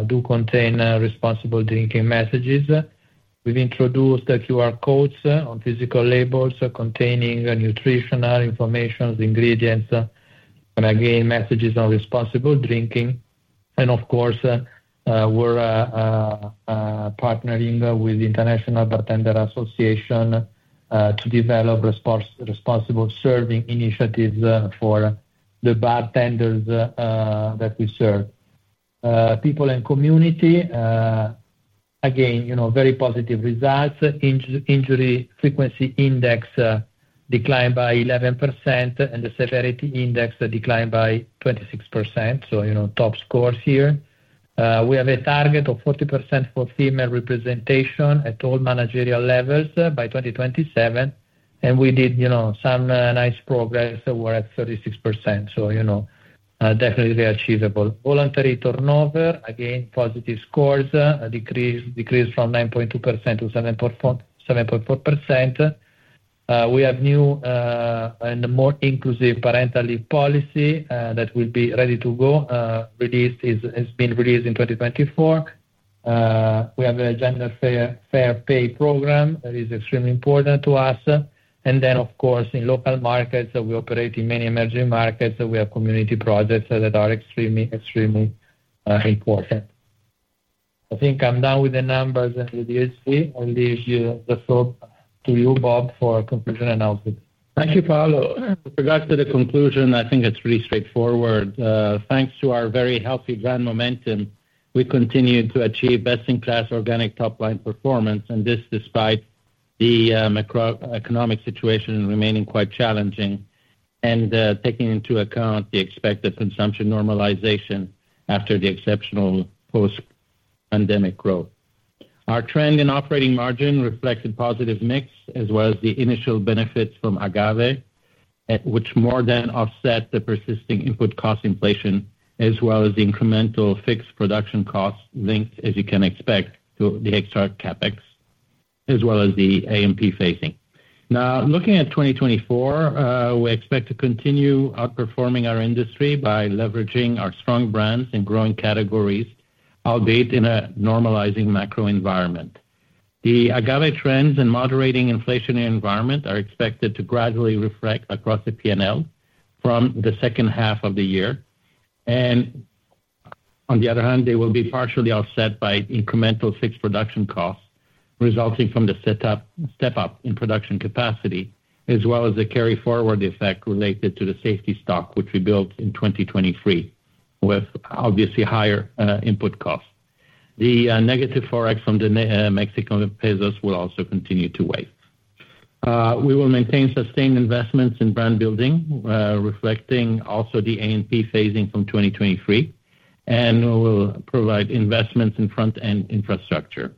do contain responsible drinking messages. We've introduced QR codes on physical labels containing nutritional information, the ingredients, and again, messages on responsible drinking. And, of course, we're partnering with the International Bartenders Association to develop responsible serving initiatives for the bartenders that we serve. People and community, again, you know, very positive results. Injury frequency index declined by 11%, and the severity index declined by 26%. So, you know, top scores here. We have a target of 40% for female representation at all managerial levels by 2027. We did, you know, some nice progress. We're at 36%. So, you know, definitely achievable. Voluntary turnover, again, positive scores, a decrease from 9.2% to 7.4%. We have a new and more inclusive parental leave policy that will be ready to go; it has been released in 2024. We have a gender fair pay program that is extremely important to us. Then, of course, in local markets, we operate in many emerging markets. We have community projects that are extremely, extremely, important. I think I'm done with the numbers and the ESG. I'll leave the floor to you, Bob, for conclusion announcement. Thank you, Paolo. With regards to the conclusion, I think it's pretty straightforward. Thanks to our very healthy brand momentum, we continue to achieve best-in-class organic top-line performance. This despite the macroeconomic situation remaining quite challenging and taking into account the expected consumption normalization after the exceptional post-pandemic growth. Our trend in operating margin reflected positive mix as well as the initial benefits from agave, which more than offset the persisting input cost inflation as well as the incremental fixed production costs linked, as you can expect, to the extra CapEx as well as the A&P phacing. Now, looking at 2024, we expect to continue outperforming our industry by leveraging our strong brands in growing categories, albeit in a normalizing macro environment. The agave trends in moderating inflationary environment are expected to gradually reflect across the P&L from the second half of the year. On the other hand, they will be partially offset by incremental fixed production costs resulting from the setup step-up in production capacity as well as the carry-forward effect related to the safety stock, which we built in 2023 with obviously higher input costs. The negative forex from the Mexican pesos will also continue to weigh. We will maintain sustained investments in brand building, reflecting also the A&P phasing from 2023. We will provide investments in front-end infrastructure.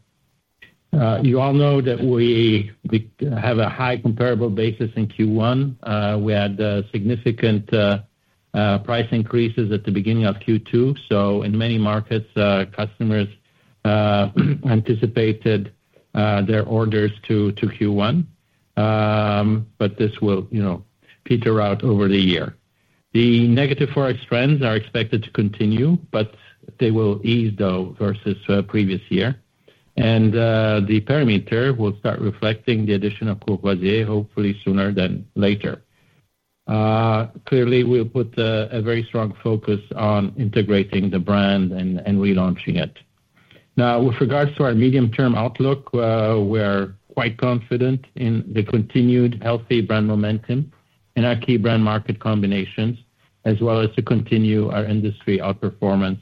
You all know that we have a high comparable basis in Q1. We had significant price increases at the beginning of Q2. So in many markets, customers anticipated their orders to Q1. But this will, you know, peter out over the year. The negative forex trends are expected to continue, but they will ease, though, versus previous year. The perimeter will start reflecting the addition of Courvoisier, hopefully sooner than later. Clearly, we'll put a very strong focus on integrating the brand and relaunching it. Now, with regards to our medium-term outlook, we're quite confident in the continued healthy brand momentum in our key brand-market combinations as well as to continue our industry outperformance,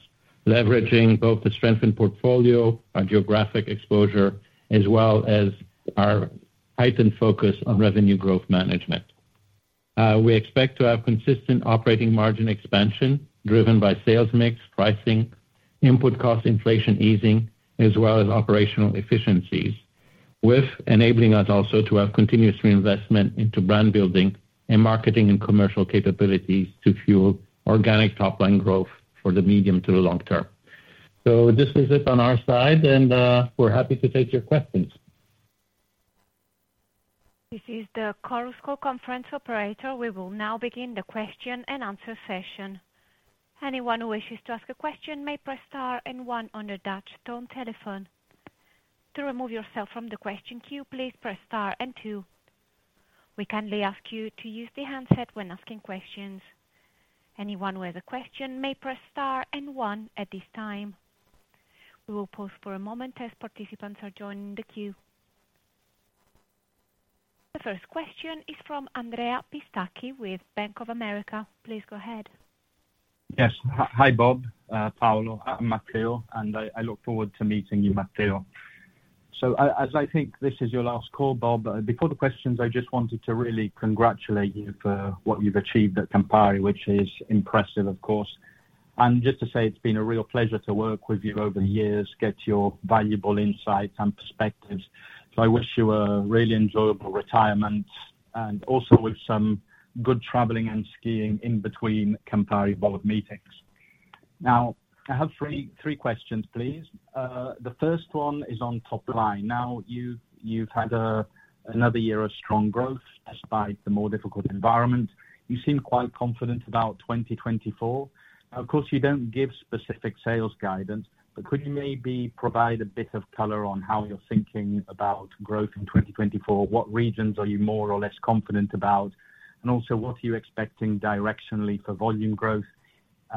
leveraging both the strengthened portfolio, our geographic exposure, as well as our heightened focus on revenue growth management. We expect to have consistent operating margin expansion driven by sales mix, pricing, input cost inflation easing, as well as operational efficiencies, with enabling us also to have continuous reinvestment into brand building and marketing and commercial capabilities to fuel organic top-line growth for the medium to the long term. So this is it on our side. We're happy to take your questions. This is the ChorusCall Conference Operator. We will now begin the question-and-answer session. Anyone who wishes to ask a question may press star and one on the dual-tone telephone. To remove yourself from the question queue, please press star and two. We kindly ask you to use the handset when asking questions. Anyone who has a question may press star and one at this time. We will pause for a moment as participants are joining the queue. The first question is from Andrea Pistacchi with Bank of America. Please go ahead. Yes. Hi, Bob. Paolo. Matteo. And I look forward to meeting you, Matteo. So as I think this is your last call, Bob, before the questions, I just wanted to really congratulate you for what you've achieved at Campari, which is impressive, of course. Just to say, it's been a real pleasure to work with you over the years, get your valuable insights and perspectives. I wish you a really enjoyable retirement and also with some good traveling and skiing in between Campari Board meetings. Now, I have three questions, please. The first one is on top line. Now, you've had another year of strong growth despite the more difficult environment. You seem quite confident about 2024. Of course, you don't give specific sales guidance. Could you maybe provide a bit of color on how you're thinking about growth in 2024? What regions are you more or less confident about? And also, what are you expecting directionally for volume growth?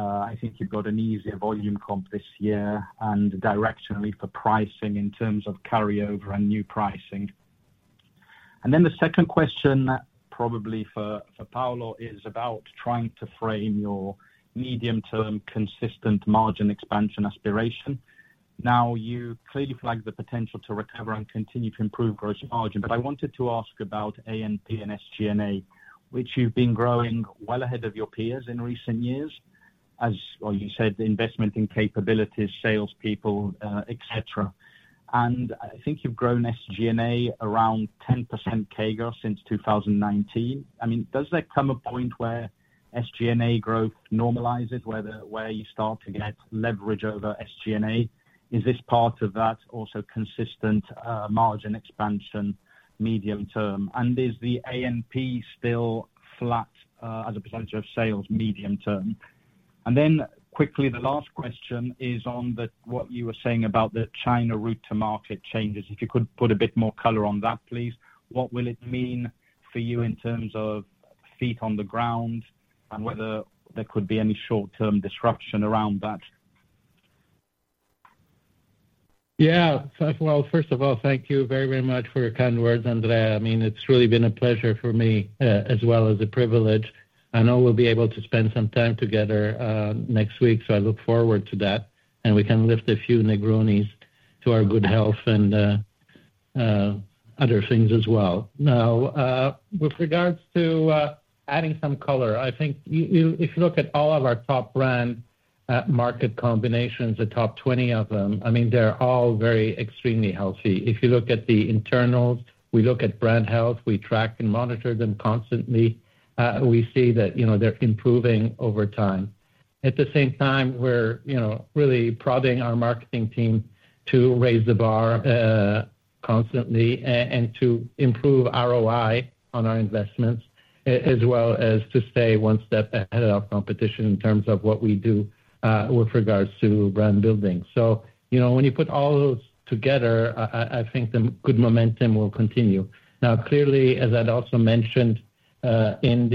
I think you've got an easier volume comp this year and directionally for pricing in terms of carryover and new pricing. Then the second question, probably for Paolo, is about trying to frame your medium-term consistent margin expansion aspiration. Now, you clearly flagged the potential to recover and continue to improve gross margin. But I wanted to ask about A&P and SG&A, which you've been growing well ahead of your peers in recent years as well, you said, investment in capabilities, salespeople, etc. And I think you've grown SG&A around 10% CAGR since 2019. I mean, does there come a point where SG&A growth normalizes, where you start to get leverage over SG&A? Is this part of that also consistent margin expansion medium-term? And is the A&P still flat as a percentage of sales medium-term? And then quickly, the last question is on what you were saying about the China route to market changes. If you could put a bit more color on that, please. What will it mean for you in terms of feet on the ground and whether there could be any short-term disruption around that? Yeah. Well, first of all, thank you very, very much for your kind words, Andrea. I mean, it's really been a pleasure for me as well as a privilege. I know we'll be able to spend some time together next week. So I look forward to that. And we can lift a few Negronis to our good health and other things as well. Now, with regards to adding some color, I think if you look at all of our top brand market combinations, the top 20 of them, I mean, they're all very extremely healthy. If you look at the internals, we look at brand health. We track and monitor them constantly. We see that they're improving over time. At the same time, we're really prodding our marketing team to raise the bar constantly and to improve ROI on our investments as well as to stay one step ahead of competition in terms of what we do with regards to brand building. So when you put all those together, I think the good momentum will continue. Now, clearly, as I'd also mentioned in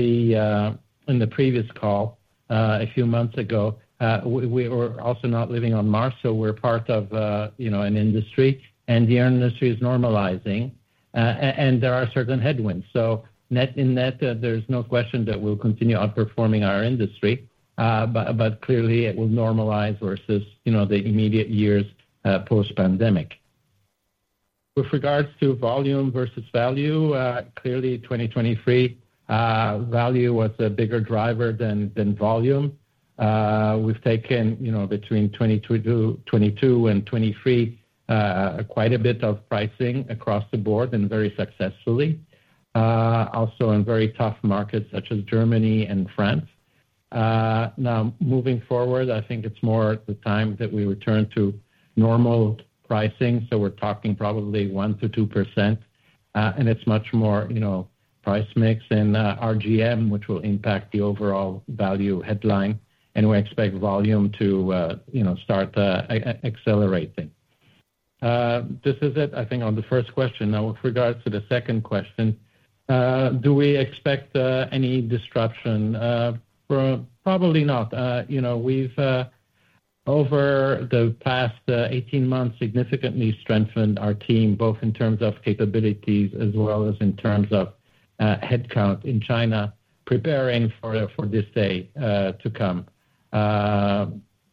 the previous call a few months ago, we were also not living on Mars. So we're part of an industry. And our industry is normalizing. And there are certain headwinds. So net in net, there's no question that we'll continue outperforming our industry. But clearly, it will normalize versus the immediate years post-pandemic. With regards to volume versus value, clearly, 2023, value was a bigger driver than volume. We've taken between 2022 and 2023 quite a bit of pricing across the board and very successfully also in very tough markets such as Germany and France. Now, moving forward, I think it's more the time that we return to normal pricing. We're talking probably 1%-2%. It's much more price mix and RGM, which will impact the overall value headline. We expect volume to start accelerating. This is it, I think, on the first question. Now, with regards to the second question, do we expect any disruption? Probably not. We've over the past 18 months significantly strengthened our team both in terms of capabilities as well as in terms of headcount in China preparing for this day to come.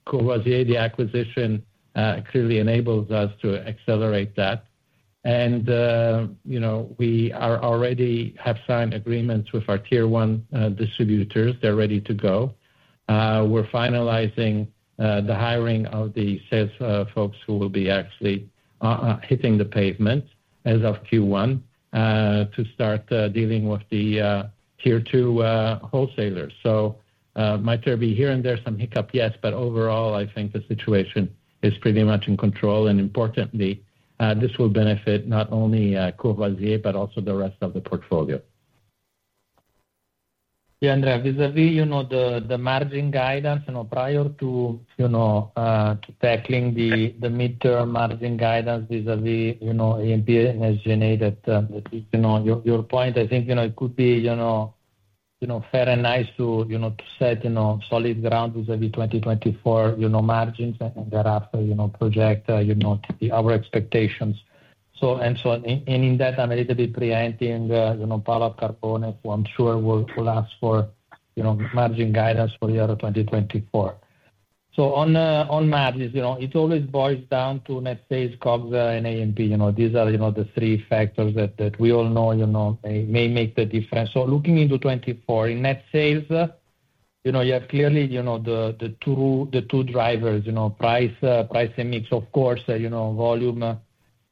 Courvoisier, the acquisition, clearly enables us to accelerate that. We already have signed agreements with our tier one distributors. They're ready to go. We're finalizing the hiring of the sales folks who will be actually hitting the pavement as of Q1 to start dealing with the tier two wholesalers. So might there be here and there some hiccup, yes. But overall, I think the situation is pretty much in control. And importantly, this will benefit not only Courvoisier but also the rest of the portfolio. Yeah, Andrea. Vis-à-vis the margin guidance, prior to tackling the midterm margin guidance vis-à-vis A&P and SG&A, your point, I think it could be fair and nice to set solid ground vis-à-vis 2024 margins and thereafter project our expectations. And in that, I'm a little bit preempting Paola Carboni, who I'm sure will ask for margin guidance for the year 2024. So on margins, it always boils down to net sales, COGS, and A&P. These are the three factors that we all know may make the difference. Looking into 2024, in net sales, you have clearly the two drivers, price and mix. Of course, volume,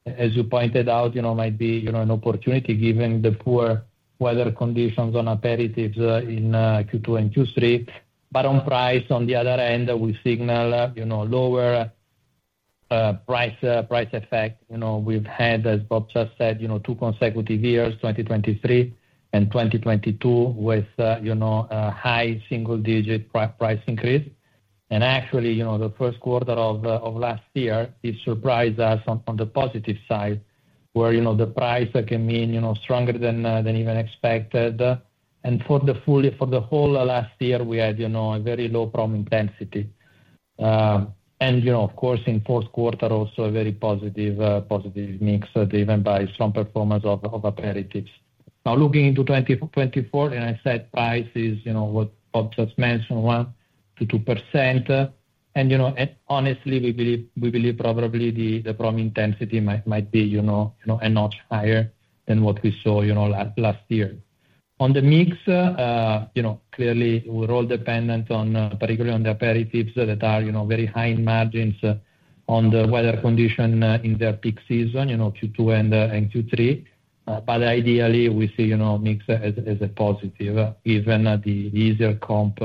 as you pointed out, might be an opportunity given the poor weather conditions on aperitifs in Q2 and Q3. But on price, on the other hand, we signal lower price effect. We've had, as Bob just said, two consecutive years, 2023 and 2022, with high single-digit price increase. Actually, the first quarter of last year did surprise us on the positive side where the price can mean stronger than even expected. For the whole last year, we had a very low problem intensity. Of course, in fourth quarter, also a very positive mix driven by strong performance of aperitifs. Now, looking into 2024, and I said price is what Bob just mentioned, 1%-2%. Honestly, we believe probably the problem intensity might be a notch higher than what we saw last year. On the mix, clearly, we're all dependent, particularly on the aperitifs that are very high in margins on the weather condition in their peak season, Q2 and Q3. But ideally, we see mix as a positive given the easier comp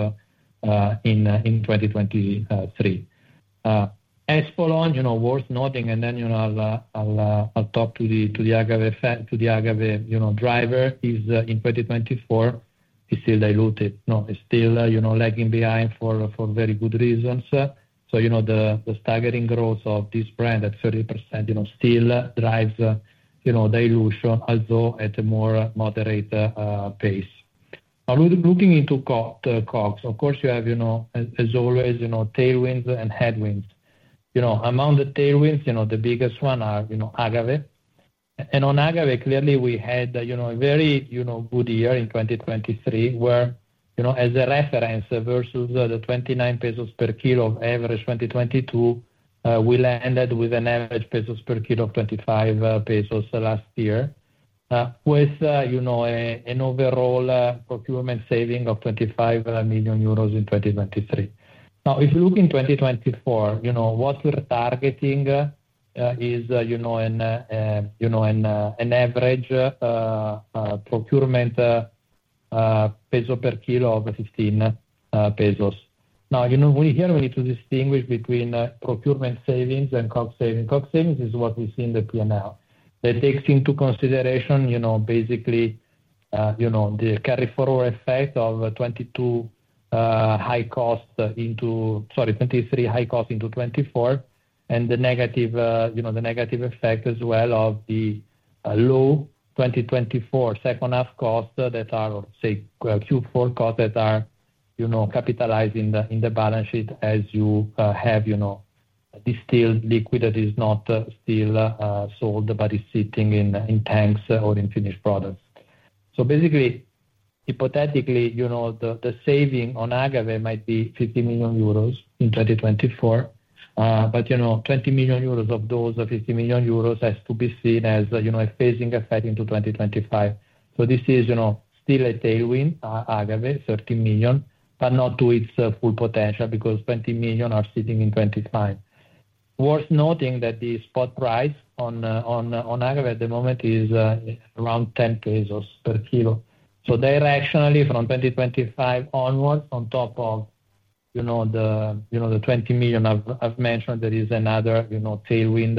in 2023. Espolòn, worth noting, and then I'll talk to the agave driver, is in 2024, is still diluted. No, it's still lagging behind for very good reasons. So the staggering growth of this brand at 30% still drives dilution, although at a more moderate pace. Now, looking into COGS, of course, you have, as always, tailwinds and headwinds. Among the tailwinds, the biggest one are agave. On agave, clearly, we had a very good year in 2023 where, as a reference versus the 29 pesos per kilo average 2022, we landed with an average of 25 pesos per kilo last year with an overall procurement saving of 25 million euros in 2023. Now, if you look in 2024, what we're targeting is an average procurement of 15 pesos per kilo. Now, here, we need to distinguish between procurement savings and COGS savings. COGS savings is what we see in the P&L. That takes into consideration, basically, the carryforward effect of 22 high cost into sorry, 23 high cost into 2024 and the negative effect as well of the low 2024 second half costs that are or, say, Q4 costs that are capitalized in the balance sheet as you have distilled liquid that is not still sold but is sitting in tanks or in finished products. So basically, hypothetically, the saving on agave might be 50 million euros in 2024. But 20 million euros of those 50 million euros has to be seen as a phasing effect into 2025. So this is still a tailwind, agave, 13 million, but not to its full potential because 20 million are sitting in 2025. Worth noting that the spot price on agave at the moment is around 10 pesos per kilo. So directionally, from 2025 onwards, on top of the 20 million I've mentioned, there is another tailwind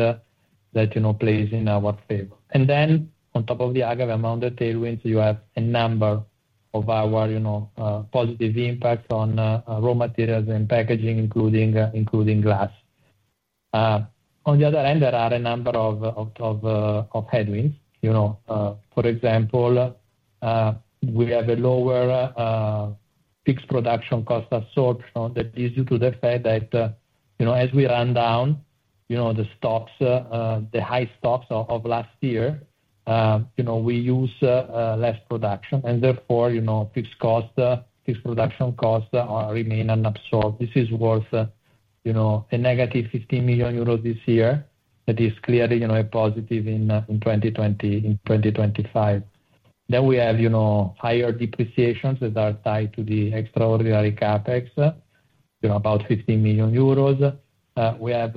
that plays in our favor. And then on top of the agave, among the tailwinds, you have a number of our positive impacts on raw materials and packaging, including glass. On the other hand, there are a number of headwinds. For example, we have a lower fixed production cost absorption that is due to the fact that as we run down the high stocks of last year, we use less production. And therefore, fixed production costs remain unabsorbed. This is worth a negative 15 million euros this year that is clearly a positive in 2025. Then we have higher depreciations that are tied to the extraordinary CapEx, about 15 million euros. We have,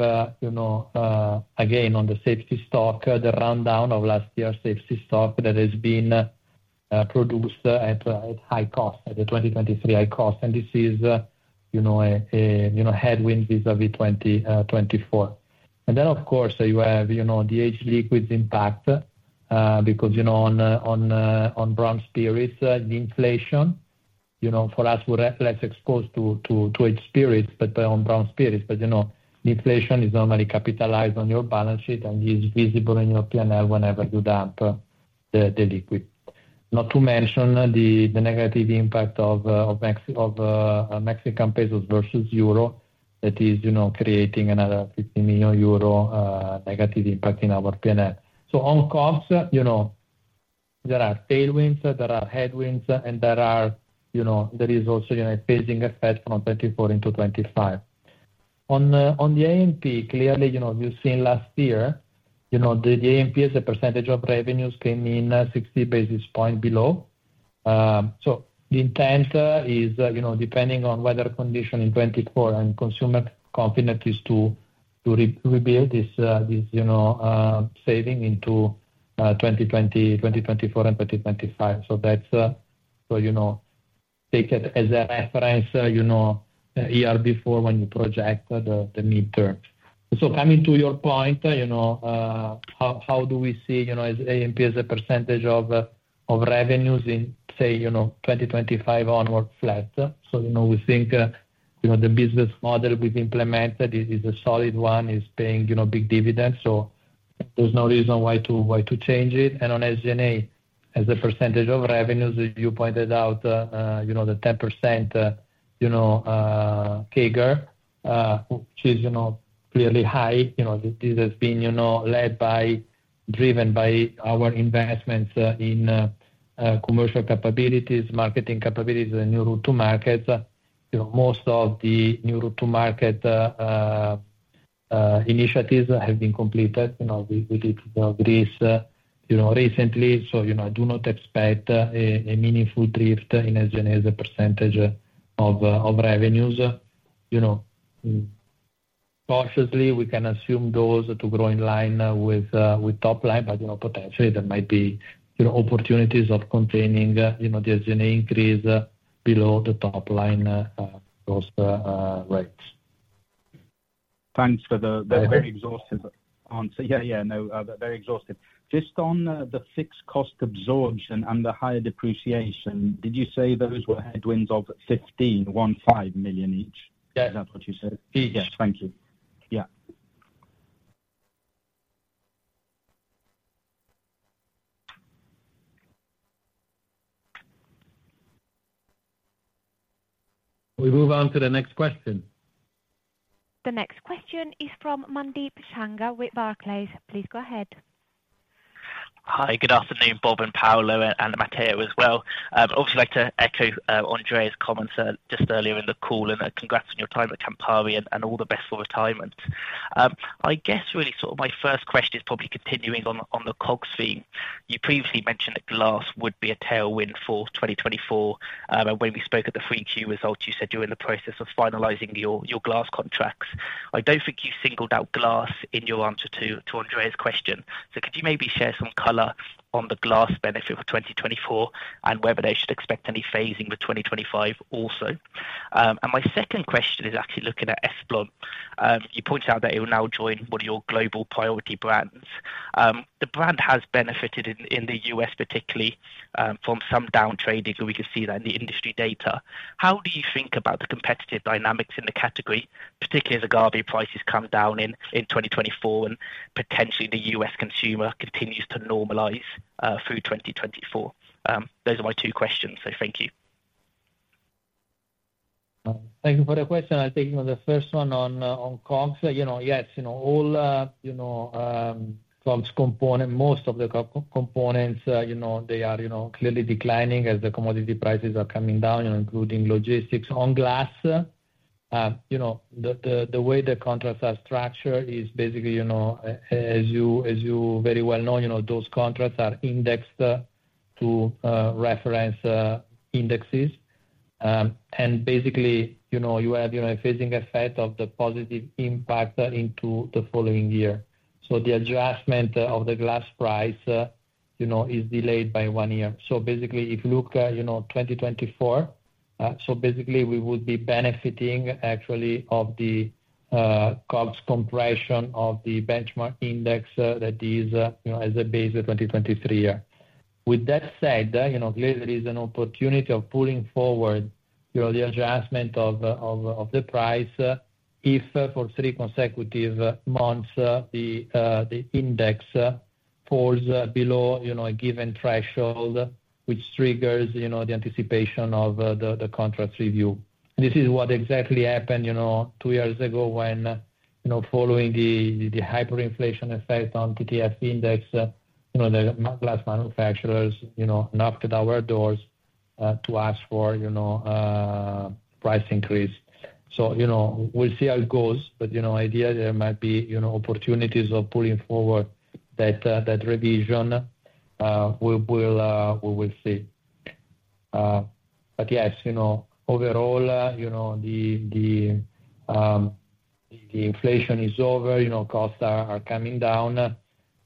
again, on the safety stock, the rundown of last year's safety stock that has been produced at high cost, at the 2023 high cost. This is a headwind vis-à-vis 2024. Then, of course, you have the aged liquids impact because on brown spirits, the inflation for us, we're less exposed to aged spirits but on brown spirits. The inflation is normally capitalized on your balance sheet and is visible in your P&L whenever you dump the liquid. Not to mention the negative impact of Mexican pesos versus euro that is creating another 15 million euro negative impact in our P&L. So on COGS, there are tailwinds. There are headwinds. And there is also a phasing effect from 2024 into 2025. On the A&P, clearly, we've seen last year, the A&P as a percentage of revenues came in 60 basis points below. So the intent is, depending on weather condition in 2024 and consumer confidence, is to rebuild this saving into 2024 and 2025. So take it as a reference a year before when you project the mid-term. So coming to your point, how do we see A&P as a percentage of revenues in, say, 2025 onward flat? So we think the business model we've implemented is a solid one, is paying big dividends. So there's no reason why to change it. And on SG&A as a percentage of revenues, as you pointed out, the 10% CAGR, which is clearly high. This has been driven by our investments in commercial capabilities, marketing capabilities, and new route to markets. Most of the new route to market initiatives have been completed. We did Greece recently. So I do not expect a meaningful drift in SG&A as a percentage of revenues. Cautiously, we can assume those to grow in line with top line. But potentially, there might be opportunities of containing the SG&A increase below the top line cost rates. Thanks for the very exhaustive answer. Yeah, yeah. No, very exhaustive. Just on the fixed cost absorption and the higher depreciation, did you say those were headwinds of 15 million each? Is that what you said? Yes. Yes.Thank you. Yeah. We move on to the next question. The next question is from Mandeep Sanga with Barclays. Please go ahead. Hi. Good afternoon, Bob and Paolo and Matteo as well. I'd also like to echo Andrea's comments just earlier in the call. And congrats on your time at Campari and all the best for retirement. I guess really sort of my first question is probably continuing on the COGS theme. You previously mentioned that glass would be a tailwind for 2024. When we spoke at the FY Q4 results, you said you're in the process of finalizing your glass contracts. I don't think you singled out glass in your answer to Andrea's question. So could you maybe share some color on the glass benefit for 2024 and whether they should expect any phasing for 2025 also? My second question is actually looking at Espolòn. You pointed out that it will now join one of your Global Priority Brands. The brand has benefited in the U.S., particularly, from some downtrading. We can see that in the industry data. How do you think about the competitive dynamics in the category, particularly as agave prices come down in 2024 and potentially the U.S. consumer continues to normalize through 2024? Those are my two questions. Thank you. Thank you for the question. I'll take the first one on COGS. Yes, all COGS components, most of the COGS components, they are clearly declining as the commodity prices are coming down, including logistics. On glass, the way the contracts are structured is basically, as you very well know, those contracts are indexed to reference indexes. And basically, you have a phasing effect of the positive impact into the following year. So the adjustment of the glass price is delayed by one year. So basically, if you look at 2024, so basically, we would be benefiting, actually, of the COGS compression of the benchmark index that is as a base for 2023 year. With that said, clearly, there is an opportunity of pulling forward the adjustment of the price if, for three consecutive months, the index falls below a given threshold, which triggers the anticipation of the contracts review. This is what exactly happened two years ago when, following the hyperinflation effect on TTF Index, the glass manufacturers knocked at our doors to ask for a price increase. So we'll see how it goes. But ideally, there might be opportunities of pulling forward that revision. We will see. But yes, overall, the inflation is over. Costs are coming down.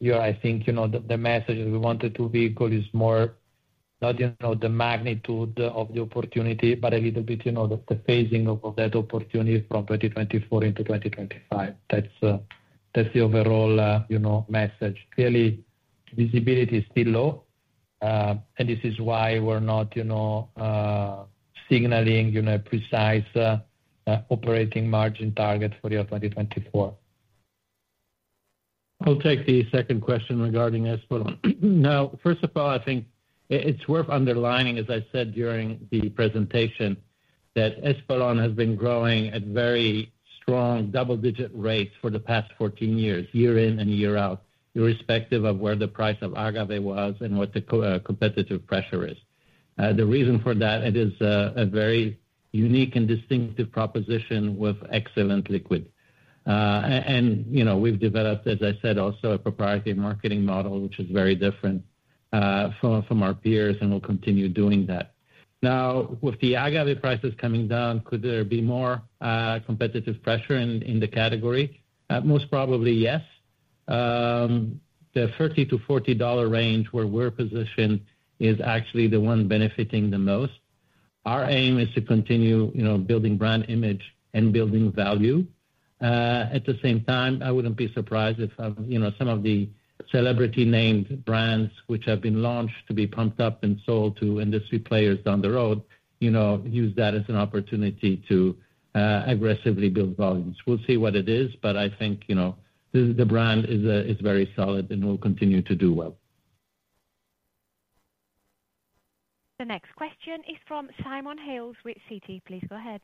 Here, I think the message that we wanted to vehicle is more not the magnitude of the opportunity but a little bit the phasing of that opportunity from 2024 into 2025. That's the overall message. Clearly, visibility is still low. This is why we're not signaling a precise operating margin target for year 2024. I'll take the second question regarding Espolòn. Now, first of all, I think it's worth underlining, as I said during the presentation, that Espolòn has been growing at very strong double-digit rates for the past 14 years, year in and year out, irrespective of where the price of agave was and what the competitive pressure is. The reason for that, it is a very unique and distinctive proposition with excellent liquid. And we've developed, as I said, also a proprietary marketing model, which is very different from our peers. And we'll continue doing that. Now, with the agave prices coming down, could there be more competitive pressure in the category? Most probably, yes. The $30-$40 range where we're positioned is actually the one benefiting the most. Our aim is to continue building brand image and building value. At the same time, I wouldn't be surprised if some of the celebrity-named brands, which have been launched to be pumped up and sold to industry players down the road, use that as an opportunity to aggressively build volumes. We'll see what it is. But I think the brand is very solid and will continue to do well. The next question is from Simon Hales with Citi. Please go ahead.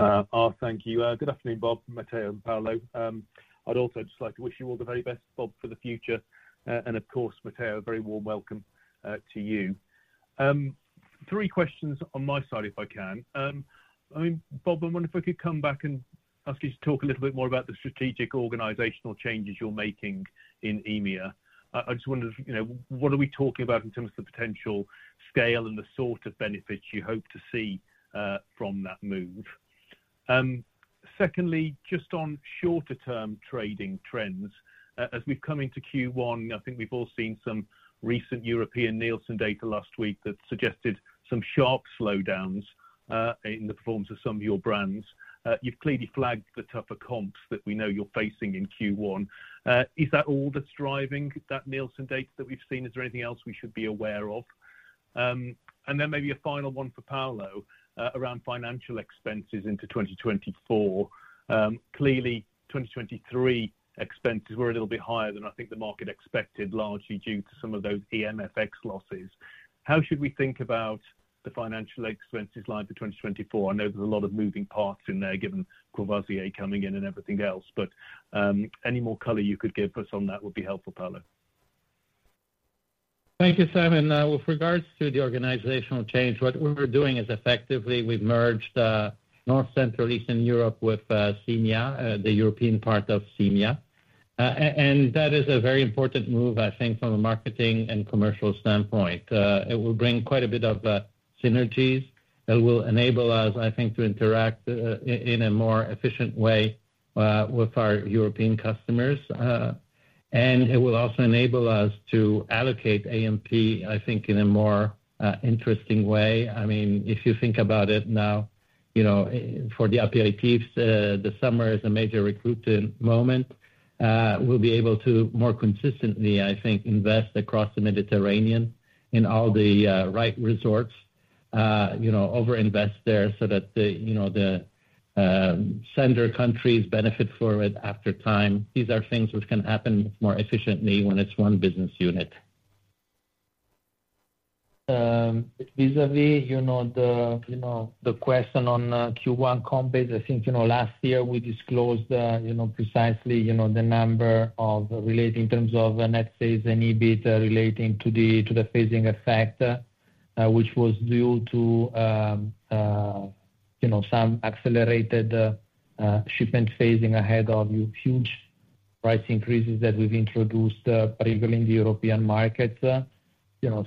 Oh, thank you. Good afternoon, Bob, Matteo, and Paolo. I'd also just like to wish you all the very best, Bob, for the future. And of course, Matteo, a very warm welcome to you. Three questions on my side, if I can. I mean, Bob, I wonder if I could come back and ask you to talk a little bit more about the strategic organizational changes you're making in EMEA. I just wondered, what are we talking about in terms of the potential scale and the sort of benefits you hope to see from that move? Secondly, just on shorter-term trading trends, as we've come into Q1, I think we've all seen some recent European Nielsen data last week that suggested some sharp slowdowns in the performance of some of your brands. You've clearly flagged the tougher comps that we know you're facing in Q1. Is that all that's driving that Nielsen data that we've seen? Is there anything else we should be aware of? And then maybe a final one for Paolo around financial expenses into 2024. Clearly, 2023 expenses were a little bit higher than I think the market expected, largely due to some of those EMFX losses. How should we think about the financial expenses line for 2024? I know there's a lot of moving parts in there, given Courvoisier coming in and everything else. But any more color you could give us on that would be helpful, Paolo. Thank you, Simon. With regards to the organizational change, what we're doing is effectively, we've merged North, Central, Eastern Europe with SIMEA, the European part of SIMEA. And that is a very important move, I think, from a marketing and commercial standpoint. It will bring quite a bit of synergies. It will enable us, I think, to interact in a more efficient way with our European customers. And it will also enable us to allocate A&P, I think, in a more interesting way. I mean, if you think about it now, for the aperitifs, the summer is a major recruiting moment. We'll be able to more consistently, I think, invest across the Mediterranean in all the right resorts, overinvest there so that the sender countries benefit from it after time. These are things which can happen more efficiently when it's one business unit. Vis-à-vis the question on Q1 comp base, I think last year, we disclosed precisely the number of related in terms of net sales and EBIT relating to the phasing effect, which was due to some accelerated shipment phasing ahead of huge price increases that we've introduced, particularly in the European markets,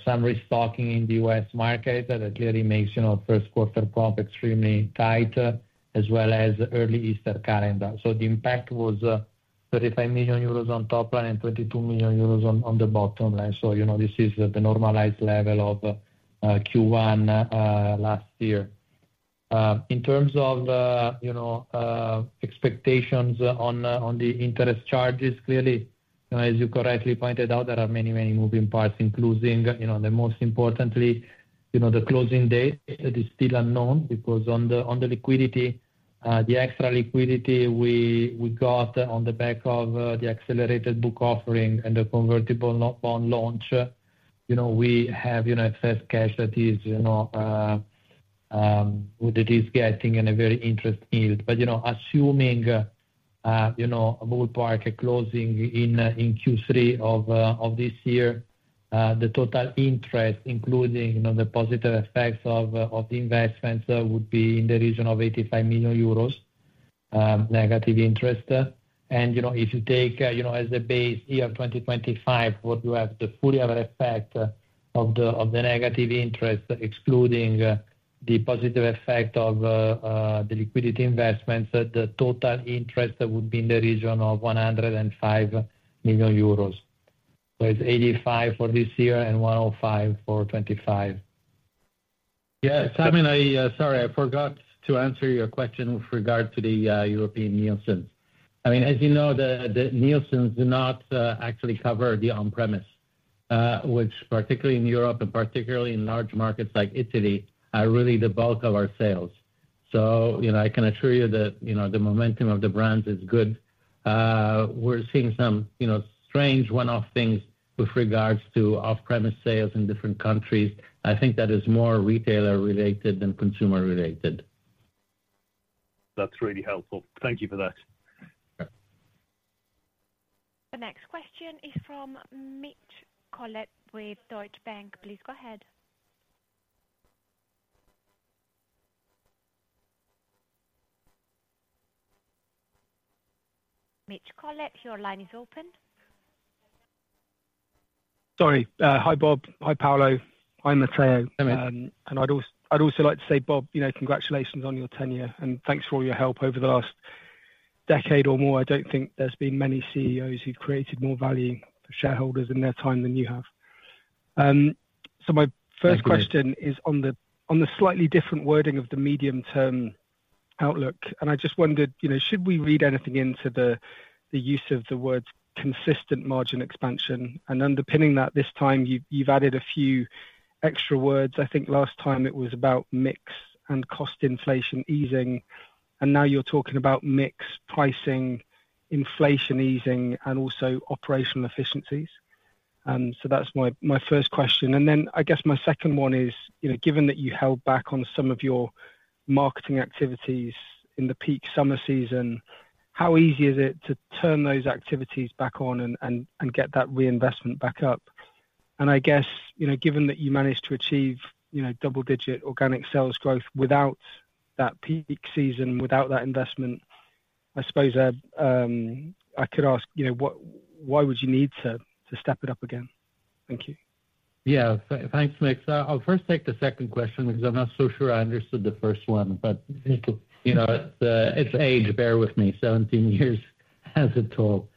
some restocking in the US market that clearly makes first-quarter profit extremely tight, as well as early Easter calendar. So the impact was 35 million euros on top line and 22 million euros on the bottom line. So this is the normalized level of Q1 last year. In terms of expectations on the interest charges, clearly, as you correctly pointed out, there are many, many moving parts, including the most importantly, the closing date. That is still unknown because on the liquidity, the extra liquidity we got on the back of the accelerated book offering and the convertible bond launch, we have excess cash that is getting in a very interesting yield. But assuming a ballpark, a closing in Q3 of this year, the total interest, including the positive effects of the investments, would be in the region of 85 million euros negative interest. And if you take as a base year 2025, what you have, the full year effect of the negative interest, excluding the positive effect of the liquidity investments, the total interest would be in the region of 105 million euros. So it's 85 million for this year and 105 million for 2025. Yeah. Simon, sorry, I forgot to answer your question with regard to the European Nielsen's. I mean, as you know, the Nielsen's do not actually cover the on-premise, which, particularly in Europe and particularly in large markets like Italy, are really the bulk of our sales. So I can assure you that the momentum of the brands is good. We're seeing some strange one-off things with regards to off-premise sales in different countries. I think that is more retailer-related than consumer-related. That's really helpful. Thank you for that. The next question is from Mitch Collett with Deutsche Bank. Please go ahead. Mitch Collett, your line is open. Sorry. Hi, Bob. Hi, Paolo. Hi, Matteo. And I'd also like to say, Bob, congratulations on your tenure. And thanks for all your help. Over the last decade or more, I don't think there's been many CEOs who've created more value for shareholders in their time than you have. My first question is on the slightly different wording of the medium-term outlook. I just wondered, should we read anything into the use of the words consistent margin expansion? Underpinning that, this time, you've added a few extra words. I think last time, it was about mix and cost inflation easing. Now you're talking about mix pricing, inflation easing, and also operational efficiencies. That's my first question. Then I guess my second one is, given that you held back on some of your marketing activities in the peak summer season, how easy is it to turn those activities back on and get that reinvestment back up? And I guess, given that you managed to achieve double-digit organic sales growth without that peak season, without that investment, I suppose I could ask, why would you need to step it up again? Thank you. Yeah. Thanks, Mitch. I'll first take the second question because I'm not so sure I understood the first one. But it's age. Bear with me. 17 years has it told.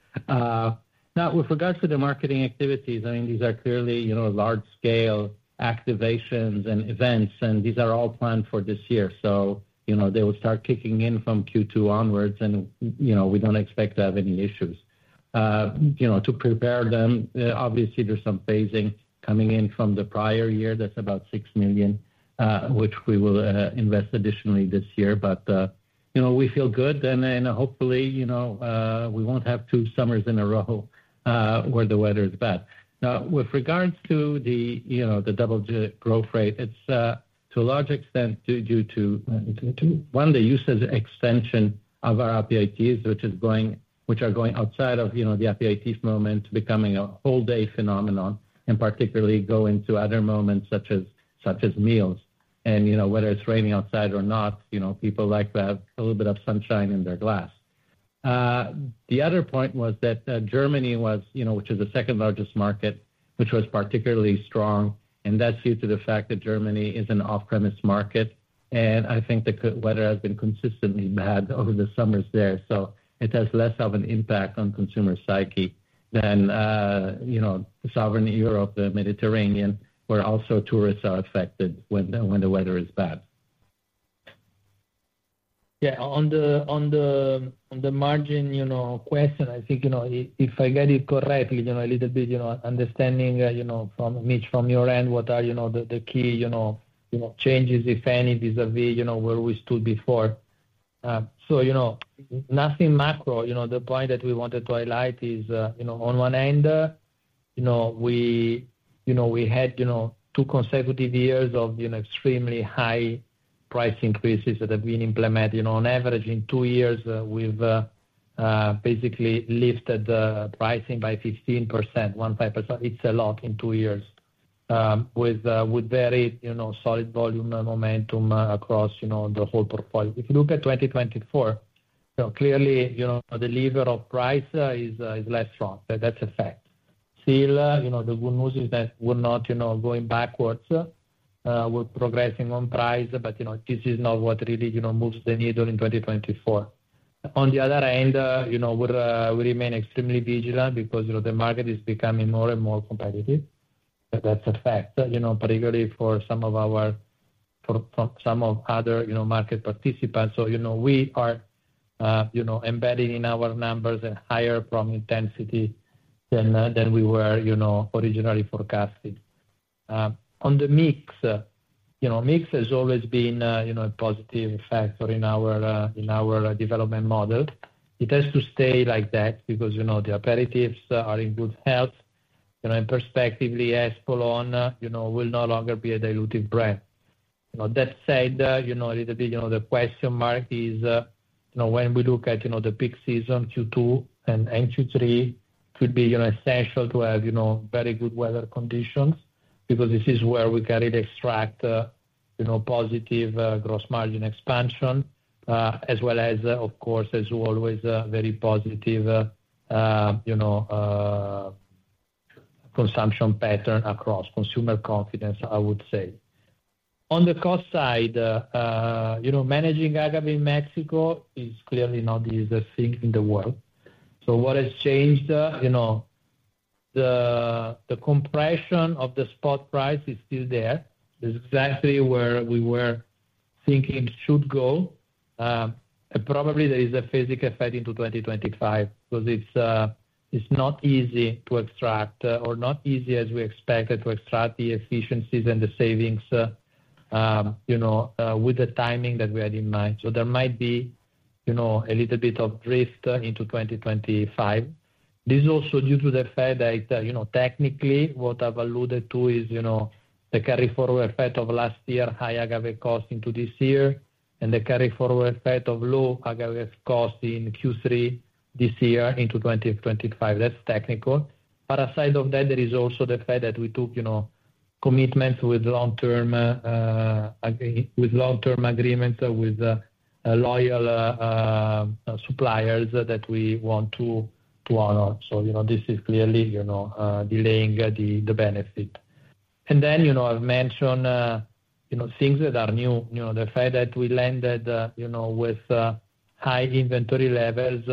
Now, with regards to the marketing activities, I mean, these are clearly large-scale activations and events. And these are all planned for this year. So they will start kicking in from Q2 onwards. And we don't expect to have any issues. To prepare them, obviously, there's some phasing coming in from the prior year. That's about 6 million, which we will invest additionally this year. But we feel good. And hopefully, we won't have two summers in a row where the weather is bad. Now, with regards to the double-digit growth rate, it's to a large extent due to, one, the use as extension of our aperitifs, which are going outside of the aperitif moment to becoming a whole-day phenomenon, and particularly go into other moments such as meals. And whether it's raining outside or not, people like to have a little bit of sunshine in their glass. The other point was that Germany, which is the second-largest market, was particularly strong. And that's due to the fact that Germany is an off-premise market. And I think the weather has been consistently bad over the summers there. So it has less of an impact on consumer psyche than Southern Europe, the Mediterranean, where also tourists are affected when the weather is bad. Yeah. On the margin question, I think if I get it correctly, a little bit understanding from Mitch, from your end, what are the key changes, if any, vis-à-vis where we stood before? So nothing macro. The point that we wanted to highlight is, on one end, we had two consecutive years of extremely high price increases that have been implemented. On average, in two years, we've basically lifted the pricing by 15%, 15%. It's a lot in two years with very solid volume momentum across the whole portfolio. If you look at 2024, clearly, the lever of price is less strong. That's a fact. Still, the good news is that we're not going backwards. We're progressing on price. But this is not what really moves the needle in 2024. On the other end, we remain extremely vigilant because the market is becoming more and more competitive. That's a fact, particularly for some of our other market participants. So we are embedding in our numbers a higher promo intensity than we were originally forecasting. On the mix, mix has always been a positive factor in our development model. It has to stay like that because the aperitifs are in good health. And prospectively, Espolòn will no longer be a diluted brand. That said, a little bit, the question mark is, when we look at the peak season, Q2 and Q3, it could be essential to have very good weather conditions because this is where we can really extract positive gross margin expansion, as well as, of course, as always, a very positive consumption pattern across consumer confidence, I would say. On the cost side, managing agave in Mexico is clearly not the easiest thing in the world. So what has changed? The compression of the spot price is still there. That's exactly where we were thinking should go. And probably, there is a physical effect into 2025 because it's not easy to extract or not easy as we expected to extract the efficiencies and the savings with the timing that we had in mind. So there might be a little bit of drift into 2025. This is also due to the fact that, technically, what I've alluded to is the carry-forward effect of last year high agave cost into this year and the carry-forward effect of low agave cost in Q3 this year into 2025. That's technical. But aside of that, there is also the fact that we took commitments with long-term agreements with loyal suppliers that we want to honor. So this is clearly delaying the benefit. And then I've mentioned things that are new. The fact that we landed with high inventory levels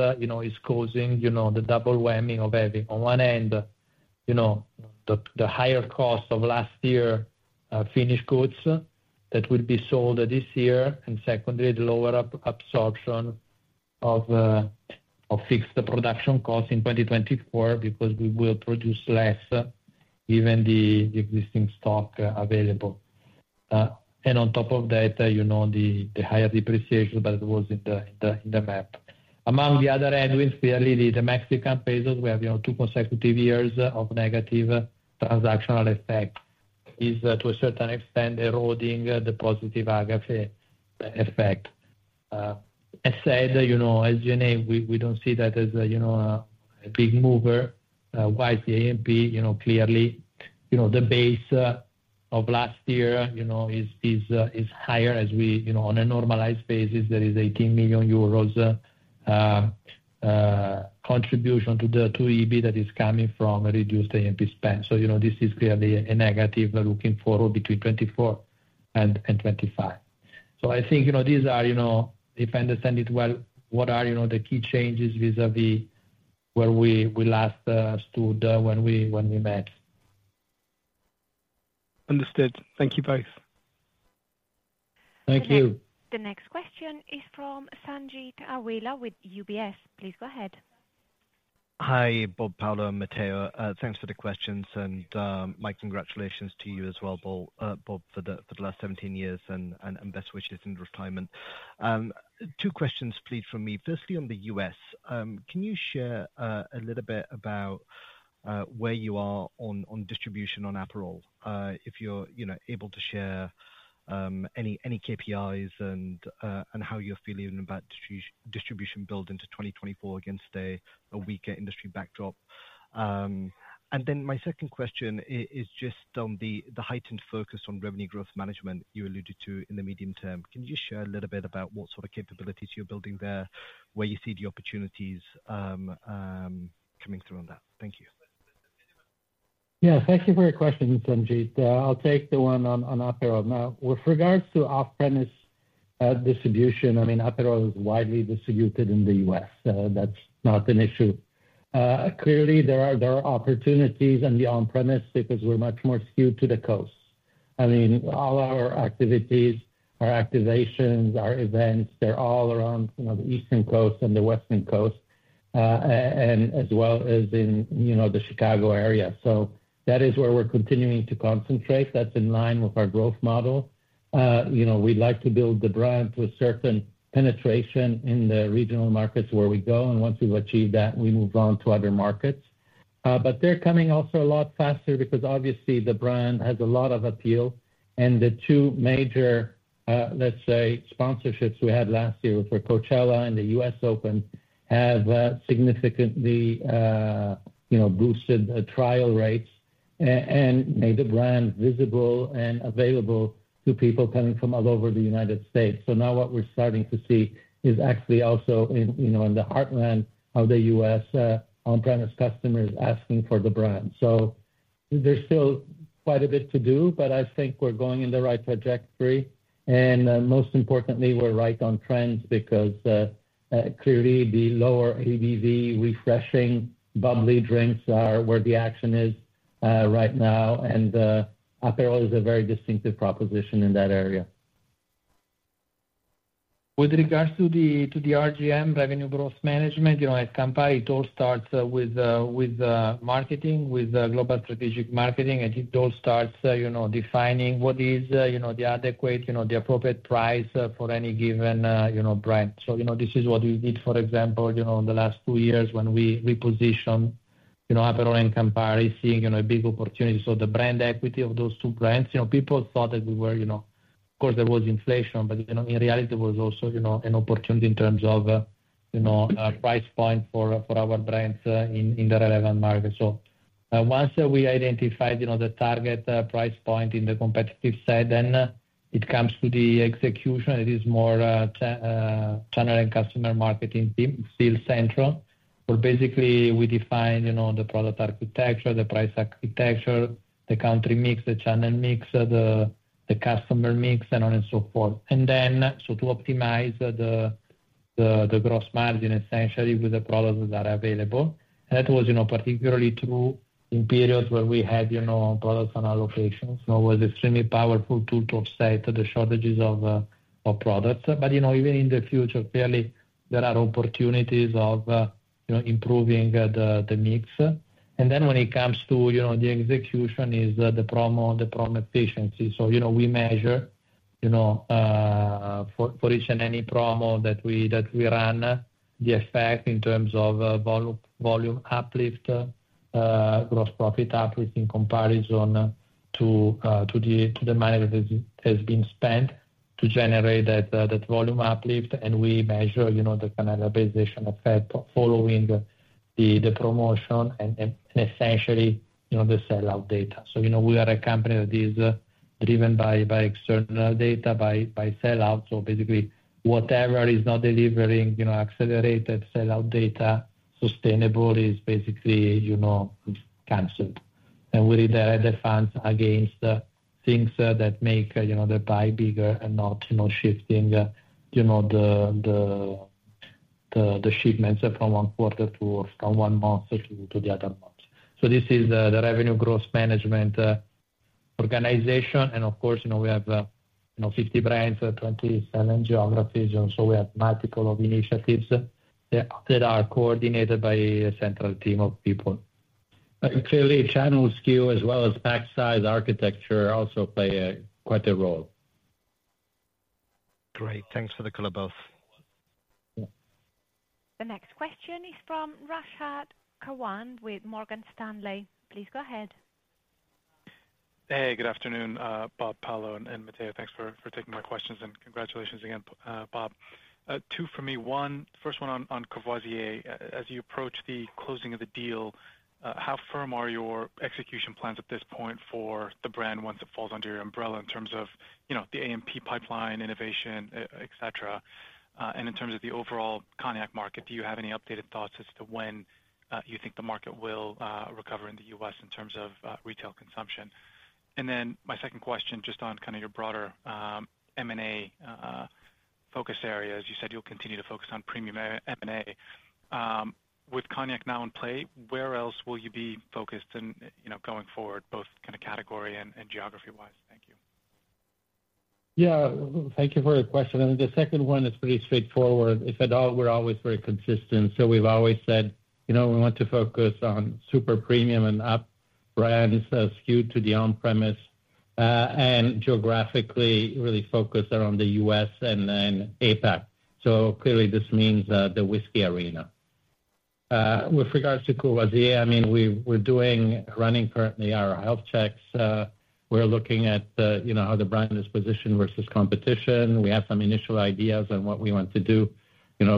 is causing the double whammy of heavy. On one end, the higher cost of last year finished goods that will be sold this year. And secondly, the lower absorption of fixed production costs in 2024 because we will produce less, given the existing stock available. And on top of that, the higher depreciation that was in the map. On the other end, clearly, the Mexican peso, we have two consecutive years of negative transactional effect, is to a certain extent eroding the positive agave effect. That said, as you know, in SG&A, we don't see that as a big mover. Why is the A&P? Clearly, the base of last year is higher as we on a normalized basis, there is 18 million euros contribution to EBIT that is coming from reduced A&P spend. So this is clearly a negative looking forward between 2024 and 2025. So I think these are, if I understand it well, what are the key changes vis-à-vis where we last stood when we met. Understood. Thank you both. Thank you. The next question is from Sanjeet Aujla with UBS. Please go ahead. Hi, Bob, Paolo, Matteo. Thanks for the questions. And my congratulations to you as well, Bob, for the last 17 years and best wishes in retirement. Two questions, please, from me. Firstly, on the U.S., can you share a little bit about where you are on distribution on Aperol, if you're able to share any KPIs and how you're feeling about distribution build into 2024 against a weaker industry backdrop? And then my second question is just on the heightened focus on revenue growth management you alluded to in the medium term. Can you share a little bit about what sort of capabilities you're building there, where you see the opportunities coming through on that? Thank you. Yeah. Thank you for your question, Sanjeet. I'll take the one on Aperol. Now, with regards to off-premise distribution, I mean, Aperol is widely distributed in the U.S. That's not an issue. Clearly, there are opportunities in the on-premise because we're much more skewed to the coast. I mean, all our activities, our activations, our events, they're all around the eastern coast and the western coast, as well as in the Chicago area. So that is where we're continuing to concentrate. That's in line with our growth model. We'd like to build the brand to a certain penetration in the regional markets where we go. And once we've achieved that, we move on to other markets. They're coming also a lot faster because, obviously, the brand has a lot of appeal. The two major, let's say, sponsorships we had last year with Coachella and the U.S. Open have significantly boosted trial rates and made the brand visible and available to people coming from all over the United States. Now what we're starting to see is actually also in the heartland of the U.S., on-premise customers asking for the brand. There's still quite a bit to do. I think we're going in the right trajectory. Most importantly, we're right on trends because, clearly, the lower ABV refreshing bubbly drinks are where the action is right now. Aperol is a very distinctive proposition in that area. With regards to the RGM, revenue growth management, at Campari, it all starts with marketing, with global strategic marketing. It all starts defining what is the adequate, the appropriate price for any given brand. So this is what we did, for example, in the last two years when we repositioned Aperol and Campari, seeing a big opportunity. So the brand equity of those two brands, people thought that we were of course, there was inflation. But in reality, there was also an opportunity in terms of price point for our brands in the relevant market. So once we identified the target price point in the competitive side, then it comes to the execution. It is more channel and customer marketing team, still central, where basically, we define the product architecture, the price architecture, the country mix, the channel mix, the customer mix, and on and so forth. And then, so to optimize the gross margin, essentially, with the products that are available. And that was particularly true in periods where we had products on allocations. It was an extremely powerful tool to offset the shortages of products. But even in the future, clearly, there are opportunities of improving the mix. And then when it comes to the execution is the promo efficiency. So we measure, for each and any promo that we run, the effect in terms of volume uplift, gross profit uplift in comparison to the money that has been spent to generate that volume uplift. And we measure the cannibalization effect following the promotion and, essentially, the sellout data. So we are a company that is driven by external data, by sellout. So basically, whatever is not delivering accelerated sellout data sustainably is basically canceled. We redirect the funds against things that make the pie bigger and not shifting the shipments from one quarter to or from one month to the other month. So this is the revenue growth management organization. And of course, we have 50 brands, 27 geographies. And so we have multiple initiatives that are coordinated by a central team of people. But clearly, channel skew as well as pack size architecture also play quite a role. Great. Thanks for the call, both. The next question is from Rashad Kawan with Morgan Stanley. Please go ahead. Hey. Good afternoon, Bob, Paolo, and Matteo. Thanks for taking my questions. And congratulations again, Bob. 2 for me. First one on Courvoisier. As you approach the closing of the deal, how firm are your execution plans at this point for the brand once it falls under your umbrella in terms of the A&P pipeline, innovation, etc.? And in terms of the overall cognac market, do you have any updated thoughts as to when you think the market will recover in the U.S. in terms of retail consumption? And then my second question, just on kind of your broader M&A focus area, as you said, you'll continue to focus on premium M&A. With cognac now in play, where else will you be focused going forward, both kind of category and geography-wise? Thank you. Yeah. Thank you for the question. I mean, the second one is pretty straightforward. If at all, we're always very consistent. So we've always said we want to focus on super premium and up brands skewed to the on-premise and geographically really focused around the U.S., and then APAC. So clearly, this means the whisky arena. With regards to Courvoisier, I mean, we're running currently our health checks. We're looking at how the brand is positioned versus competition. We have some initial ideas on what we want to do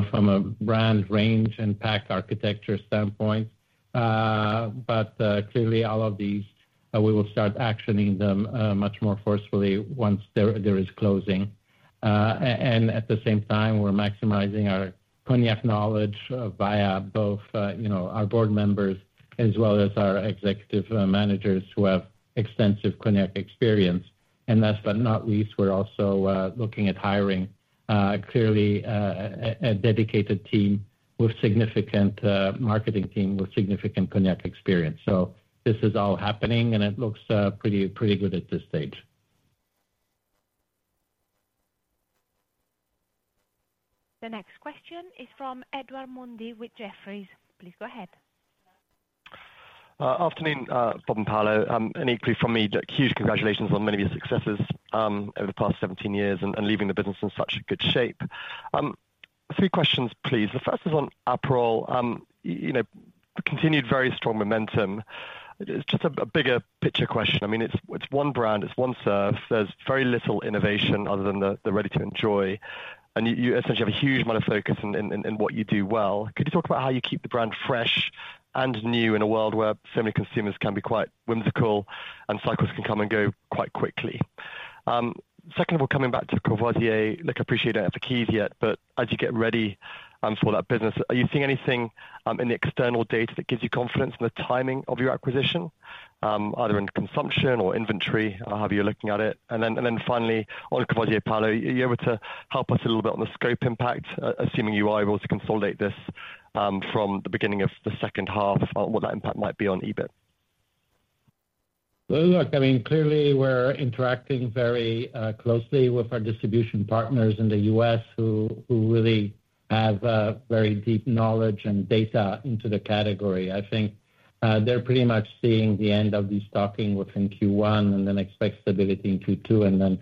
from a brand range and pack architecture standpoint. But clearly, all of these, we will start actioning them much more forcefully once there is closing. And at the same time, we're maximizing our cognac knowledge via both our board members as well as our executive managers who have extensive cognac experience. And last but not least, we're also looking at hiring, clearly, a dedicated team with significant marketing team with significant cognac experience. So this is all happening. It looks pretty good at this stage. The next question is from Edward Mundy with Jefferies. Please go ahead. Good afternoon, Bob and Paolo. And equally from me, huge congratulations on many of your successes over the past 17 years and leaving the business in such good shape. Three questions, please. The first is on Aperol. Continued very strong momentum. It's just a bigger picture question. I mean, it's one brand. It's one serve. There's very little innovation other than the ready-to-drink. And you essentially have a huge amount of focus in what you do well. Could you talk about how you keep the brand fresh and new in a world where family consumers can be quite whimsical and cycles can come and go quite quickly? Second of all, coming back to Courvoisier, look, I appreciate you don't have the keys yet. But as you get ready for that business, are you seeing anything in the external data that gives you confidence in the timing of your acquisition, either in consumption or inventory, however you're looking at it? And then finally, on Courvoisier, Paolo, are you able to help us a little bit on the scope impact, assuming you are able to consolidate this from the beginning of the second half, what that impact might be on EBIT? Look, I mean, clearly, we're interacting very closely with our distribution partners in the U.S. who really have very deep knowledge and data into the category. I think they're pretty much seeing the end of this de-stocking within Q1 and then expect stability in Q2 and then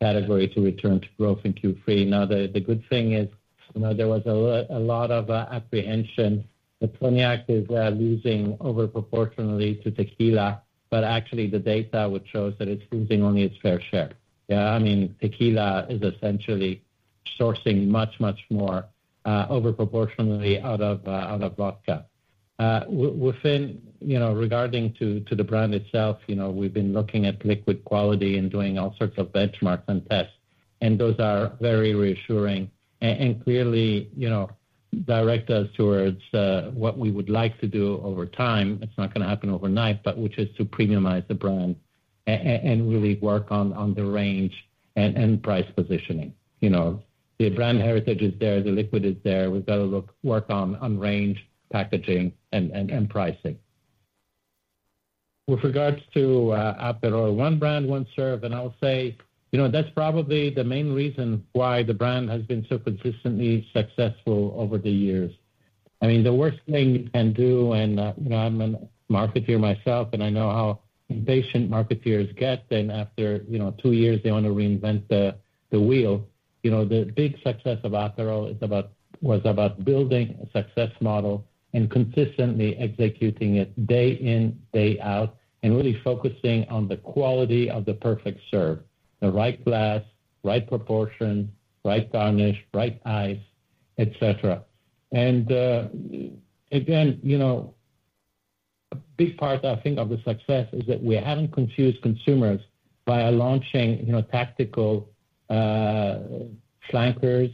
category to return to growth in Q3. Now, the good thing is there was a lot of apprehension. The cognac is losing disproportionately to tequila. But actually, the data which shows that it's losing only its fair share. Yeah. I mean, tequila is essentially sourcing much, much more overproportionately out of vodka. Regarding to the brand itself, we've been looking at liquid quality and doing all sorts of benchmarks and tests. Those are very reassuring. Clearly, direct us towards what we would like to do over time. It's not going to happen overnight, but which is to premiumize the brand and really work on the range and price positioning. The brand heritage is there. The liquid is there. We've got to work on range, packaging, and pricing. With regards to Aperol, one brand, one serve. I'll say that's probably the main reason why the brand has been so consistently successful over the years. I mean, the worst thing you can do, and I'm a marketeer myself. I know how impatient marketeers get. Then after two years, they want to reinvent the wheel. The big success of Aperol was about building a success model and consistently executing it day in, day out and really focusing on the quality of the perfect serve, the right glass, right proportion, right garnish, right ice, etc. And again, a big part, I think, of the success is that we haven't confused consumers by launching tactical flankers,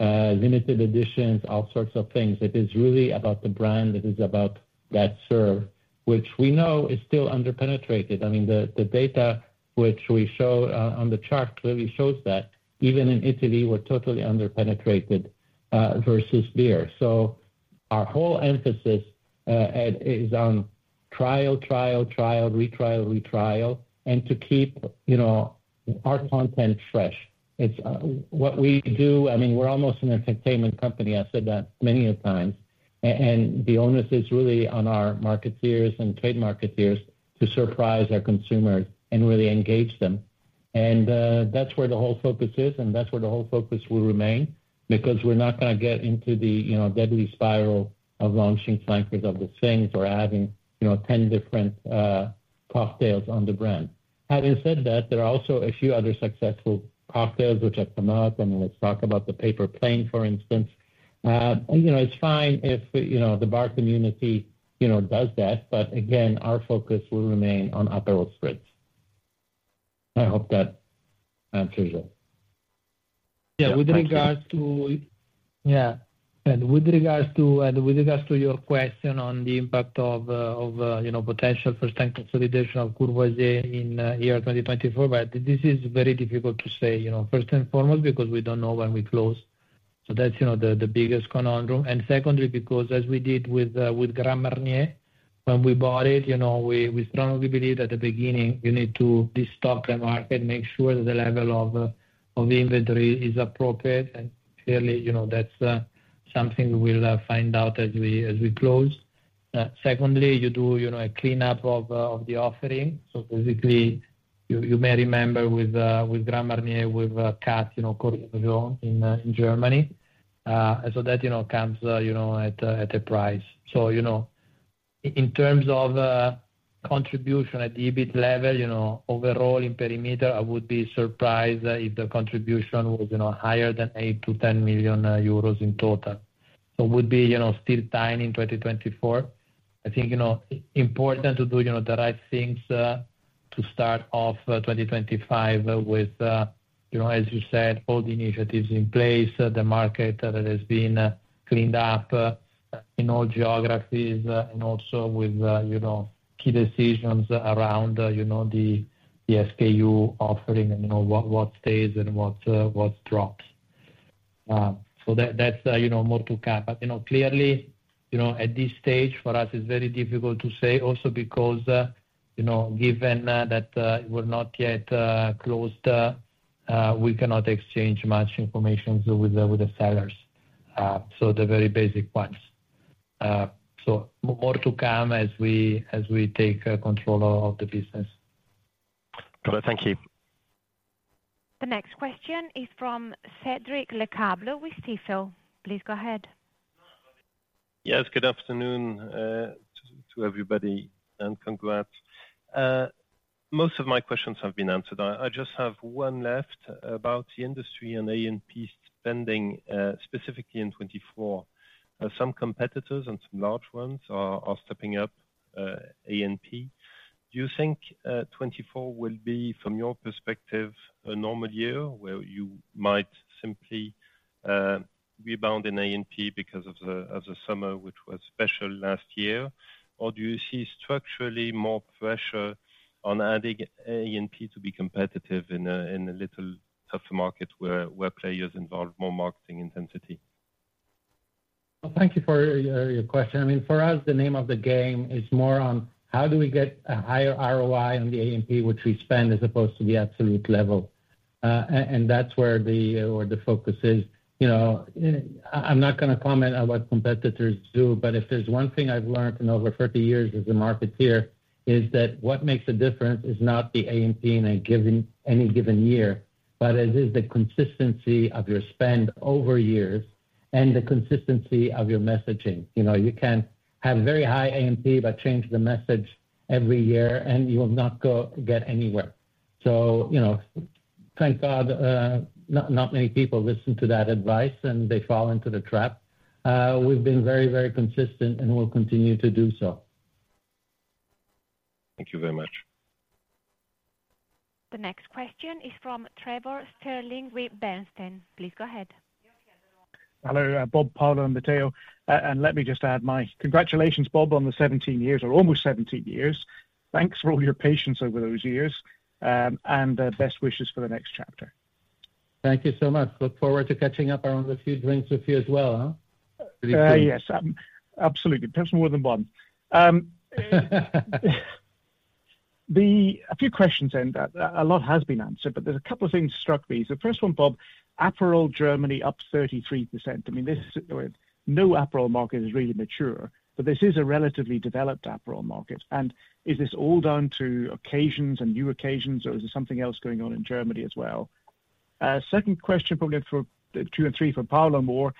limited editions, all sorts of things. It is really about the brand. It is about that serve, which we know is still underpenetrated. I mean, the data which we show on the chart clearly shows that. Even in Italy, we're totally underpenetrated versus beer. So our whole emphasis is on trial, trial, trial, retrial, retrial, and to keep our content fresh. What we do, I mean, we're almost an entertainment company. I said that many times. And the onus is really on our marketeers and trade marketeers to surprise our consumers and really engage them. And that's where the whole focus is. And that's where the whole focus will remain because we're not going to get into the deadly spiral of launching flankers of the things or adding 10 different cocktails on the brand. Having said that, there are also a few other successful cocktails which have come up. I mean, let's talk about the Paper Plane, for instance. It's fine if the bar community does that. But again, our focus will remain on Aperol Spritz. I hope that answers it. Yeah. With regards to yeah. With regards to your question on the impact of potential first-time consolidation of Courvoisier in year 2024, but this is very difficult to say, first and foremost, because we don't know when we close. So that's the biggest conundrum. And secondly, because as we did with Grand Marnier when we bought it, we strongly believe at the beginning, you need to distock the market, make sure that the level of inventory is appropriate. And clearly, that's something we will find out as we close. Secondly, you do a cleanup of the offering. So basically, you may remember with Grand Marnier, we've cut Cordon Jaune in Germany. And so that comes at a price. So in terms of contribution at the EBIT level, overall in perimeter, I would be surprised if the contribution was higher than 8-10 million euros in total. So it would be still tiny in 2024. I think important to do the right things to start off 2025 with, as you said, all the initiatives in place, the market that has been cleaned up in all geographies, and also with key decisions around the SKU offering and what stays and what drops. So that's more to come. But clearly, at this stage, for us, it's very difficult to say also because given that we're not yet closed, we cannot exchange much information with the sellers, so the very basic ones. So more to come as we take control of the business. Got it. Thank you. The next question is from Cédric Lecasble with Stifel. Please go ahead. Yes. Good afternoon to everybody. And congrats. Most of my questions have been answered. I just have one left about the industry and A&P spending specifically in 2024. Some competitors and some large ones are stepping up A&P. Do you think 2024 will be, from your perspective, a normal year where you might simply rebound in A&P because of the summer, which was special last year? Or do you see structurally more pressure on adding A&P to be competitive in a little tougher market where players involve more marketing intensity? Well, thank you for your question. I mean, for us, the name of the game is more on how do we get a higher ROI on the A&P which we spend as opposed to the absolute level. And that's where the focus is. I'm not going to comment on what competitors do. But if there's one thing I've learned in over 30 years as a marketer, it's that what makes a difference is not the A&P in any given year, but it is the consistency of your spend over years and the consistency of your messaging. You can have very high A&P but change the message every year, and you will not get anywhere. So thank God not many people listen to that advice, and they fall into the trap. We've been very, very consistent, and we'll continue to do so. Thank you very much. The next question is from Trevor Stirling with Bernstein. Please go ahead. Hello. Bob, Paolo, and Matteo. And let me just add my congratulations, Bob, on the 17 years or almost 17 years. Thanks for all your patience over those years. And best wishes for the next chapter. Thank you so much. Look forward to catching up around a few drinks with you as well, huh? Yes. Absolutely. Perhaps more than one. A few questions, and a lot has been answered. But there's a couple of things that struck me. So first one, Bob, Aperol, Germany, up 33%. I mean, no Aperol market is really mature. But this is a relatively developed Aperol market. And is this all down to occasions and new occasions, or is there something else going on in Germany as well? Second question, probably two and three for Paolo more.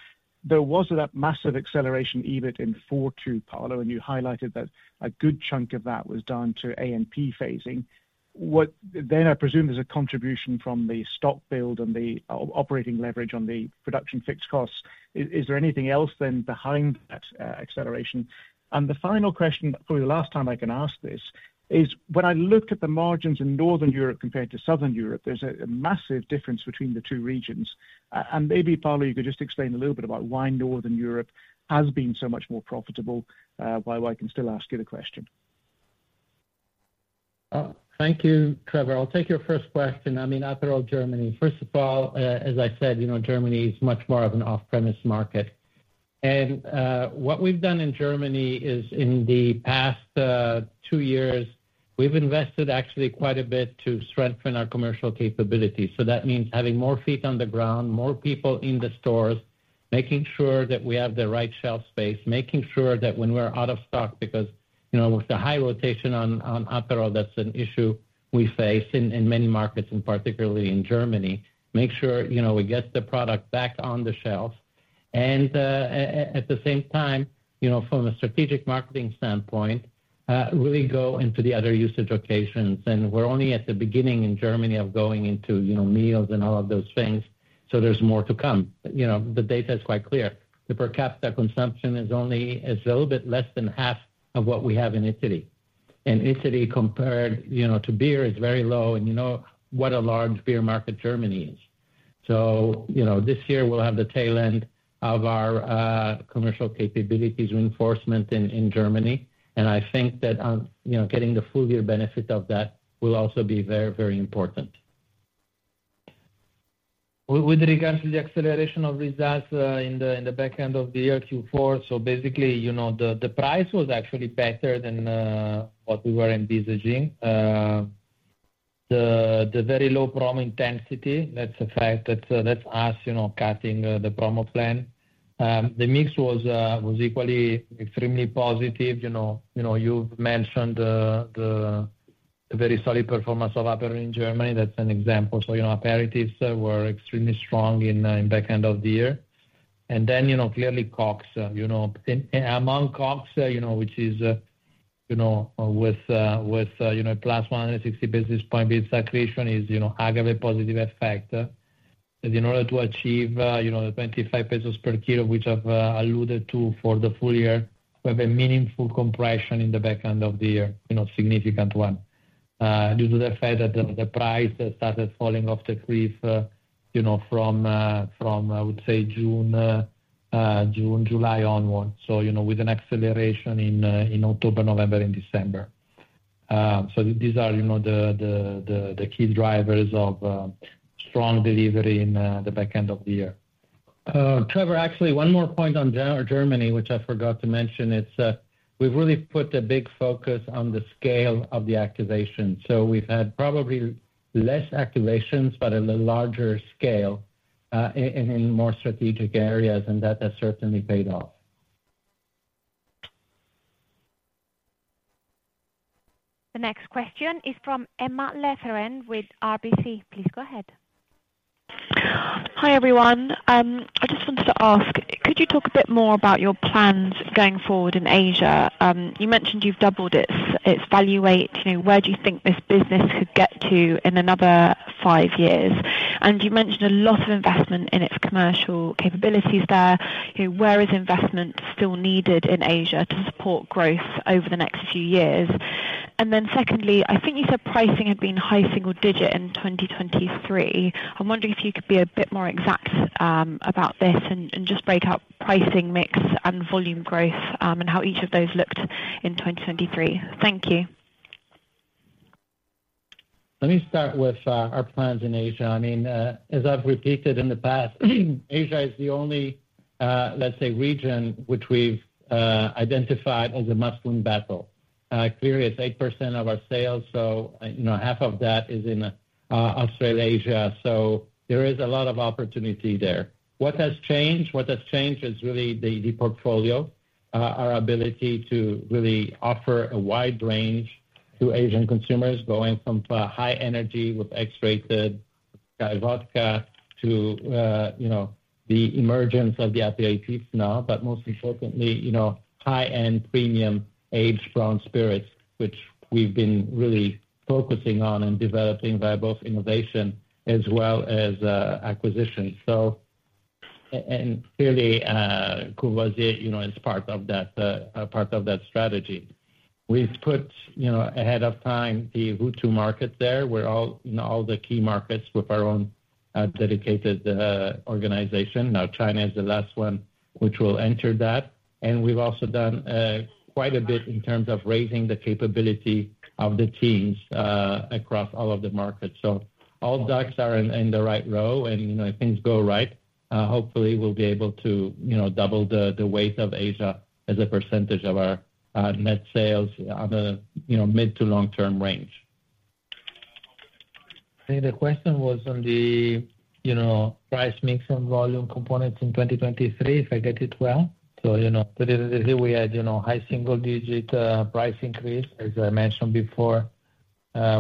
There was that massive acceleration EBIT in 2024, Paolo. And you highlighted that a good chunk of that was down to A&P phasing. Then I presume there's a contribution from the stock build and the operating leverage on the production fixed costs. Is there anything else then behind that acceleration? The final question, probably the last time I can ask this, is when I look at the margins in Northern Europe compared to Southern Europe, there's a massive difference between the two regions. And maybe, Paolo, you could just explain a little bit about why Northern Europe has been so much more profitable, why I can still ask you the question. Thank you, Trevor. I'll take your first question. I mean, Aperol, Germany. First of all, as I said, Germany is much more of an off-premise market. And what we've done in Germany is in the past two years, we've invested actually quite a bit to strengthen our commercial capability. So that means having more feet on the ground, more people in the stores, making sure that we have the right shelf space, making sure that when we're out of stock because with the high rotation on Aperol, that's an issue we face in many markets, and particularly in Germany, make sure we get the product back on the shelves. And at the same time, from a strategic marketing standpoint, really go into the other usage occasions. And we're only at the beginning in Germany of going into meals and all of those things. So there's more to come. The data is quite clear. The per capita consumption is a little bit less than half of what we have in Italy. And Italy compared to beer is very low. And you know what a large beer market Germany is. So this year, we'll have the tail end of our commercial capabilities reinforcement in Germany. And I think that getting the full year benefit of that will also be very, very important. With regards to the acceleration of results in the back end of the year Q4, so basically, the price was actually better than what we were envisaging. The very low promo intensity, that's us cutting the promo plan. The mix was equally extremely positive. You've mentioned the very solid performance of Aperol in Germany. That's an example. So aperitifs were extremely strong in the back end of the year. And then clearly, COGS. Among COGS, which is with a +160 basis points. Beer selection is a great positive effect. In order to achieve the 25 pesos per kilo, which I've alluded to for the full year, we have a meaningful compression in the back end of the year, significant one, due to the fact that the price started falling off the cliff from, I would say, June, July onward, so with an acceleration in October, November, and December. So these are the key drivers of strong delivery in the back end of the year. Trevor, actually, one more point on Germany, which I forgot to mention. We've really put a big focus on the scale of the activation. So we've had probably less activations but a larger scale and in more strategic areas. And that has certainly paid off. The next question is from Emma Letheren with RBC. Please go ahead. Hi, everyone. I just wanted to ask, could you talk a bit more about your plans going forward in Asia? You mentioned you've doubled its value. Where do you think this business could get to in another five years? And you mentioned a lot of investment in its commercial capabilities there. Where is investment still needed in Asia to support growth over the next few years? And then secondly, I think you said pricing had been high single-digit in 2023. I'm wondering if you could be a bit more exact about this and just break out pricing, mix, and volume growth and how each of those looked in 2023. Thank you. Let me start with our plans in Asia. I mean, as I've repeated in the past, Asia is the only, let's say, region which we've identified as a must-win battle. Clearly, it's 8% of our sales. So half of that is in Australasia. So there is a lot of opportunity there. What has changed? What has changed is really the portfolio, our ability to really offer a wide range to Asian consumers going from high energy with X-Rated, SKYY Vodka to the emergence of the aperitifs now, but most importantly, high-end premium aged brown spirits, which we've been really focusing on and developing via both innovation as well as acquisition. And clearly, Courvoisier is part of that strategy. We've put ahead of time the RTM model there. We're in all the key markets with our own dedicated organization. Now, China is the last one which will enter that. And we've also done quite a bit in terms of raising the capability of the teams across all of the markets. So all ducks are in a row. If things go right, hopefully, we'll be able to double the weight of Asia as a percentage of our net sales in the mid- to long-term range. I think the question was on the price mix and volume components in 2023, if I get it right. Today, we had high single-digit price increase. As I mentioned before,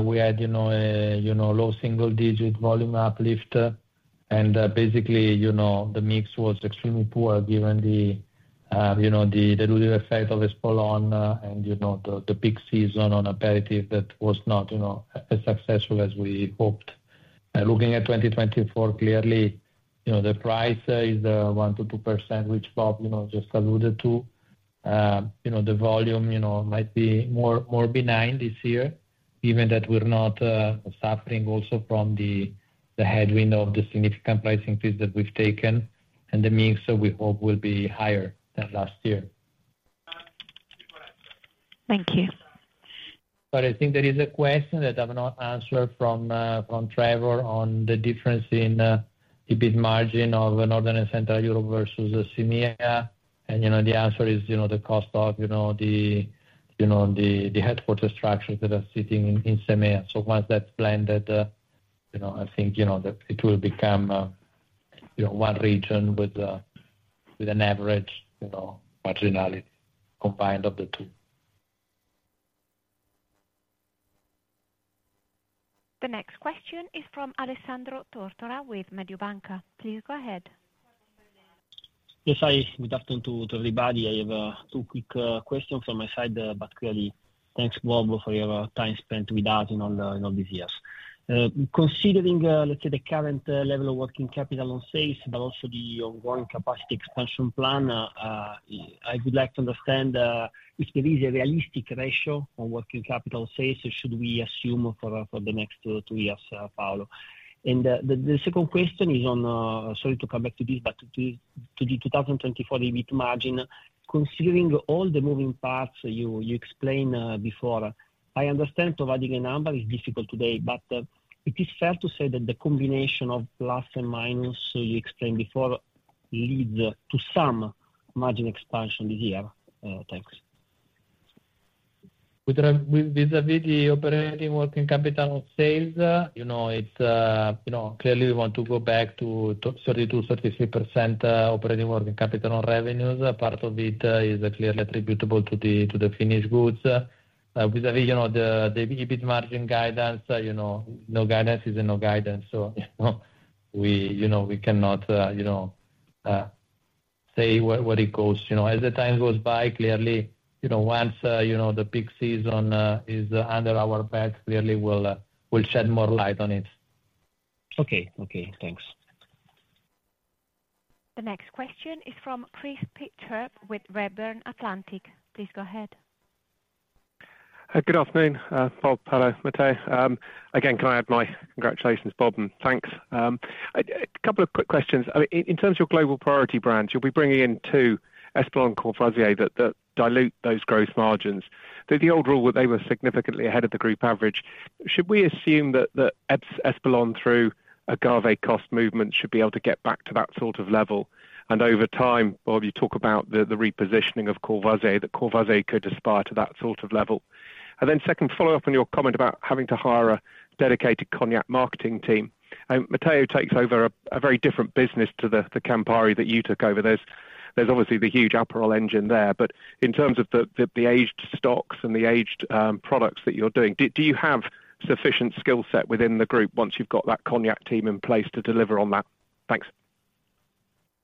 we had low single-digit volume uplift. Basically, the mix was extremely poor given the dilutive effect of Espolòn and the peak season on aperitif that was not as successful as we hoped. Looking at 2024, clearly, the price is the 1%-2% which Bob just alluded to. The volume might be more benign this year, given that we're not suffering also from the headwind of the significant price increase that we've taken. The mix, we hope, will be higher than last year. Thank you. But I think there is a question that I've not answered from Trevor on the difference in EBIT margin of Northern and Central Europe versus SIMEA. And the answer is the cost of the headquarters structure that is sitting in SIMEA. So once that's blended, I think it will become one region with an average marginality combined of the two. The next question is from Alessandro Tortora with Mediobanca. Please go ahead. Yes. Hi. Good afternoon to everybody. I have two quick questions from my side. But clearly, thanks, Bob, for your time spent with us in all these years. Considering, let's say, the current level of working capital on sales, but also the ongoing capacity expansion plan, I would like to understand if there is a realistic ratio of working capital on sales, should we assume for the next two years, Paolo? And the second question is on sorry to come back to this, but to the 2024 EBIT margin, considering all the moving parts you explained before, I understand providing a number is difficult today. But it is fair to say that the combination of plus and minus you explained before leads to some margin expansion this year. Thanks. Vis-à-vis the operating working capital on sales, clearly, we want to go back to 32%-33% operating working capital on revenues. Part of it is clearly attributable to the finished goods. Vis-à-vis the EBIT margin guidance, no guidance is no guidance. So we cannot say what it costs. As the time goes by, clearly, once the peak season is under our belt, clearly, we'll shed more light on it. Okay. Okay. Thanks. The next question is from Chris Pitcher with Redburn Atlantic. Please go ahead. Good afternoon, Bob, Paolo, Matteo. Again, can I add my congratulations, Bob? And thanks. A couple of quick questions. In terms of your global priority brands, you'll be bringing in two: Espolòn and Courvoisier that dilute those growth margins. The old rule that they were significantly ahead of the group average. Should we assume that Espolòn, through an agave cost movement, should be able to get back to that sort of level? And over time, Bob, you talk about the repositioning of Courvoisier, that Courvoisier could aspire to that sort of level. And then second, follow up on your comment about having to hire a dedicated cognac marketing team. Matteo takes over a very different business to the Campari that you took over. There's obviously the huge Aperol engine there. But in terms of the aged stocks and the aged products that you're doing, do you have sufficient skill set within the group once you've got that cognac team in place to deliver on that? Thanks.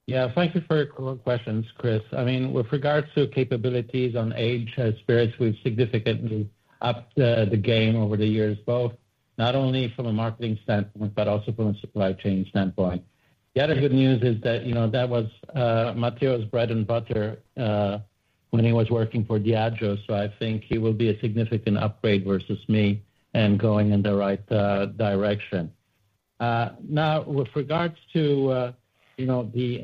Yeah. Thank you for your questions, Chris. I mean, with regards to capabilities on aged spirits, we've significantly upped the game over the years, both not only from a marketing standpoint but also from a supply chain standpoint. The other good news is that that was Matteo's bread and butter when he was working for Diageo. So I think he will be a significant upgrade versus me and going in the right direction. Now, with regards to the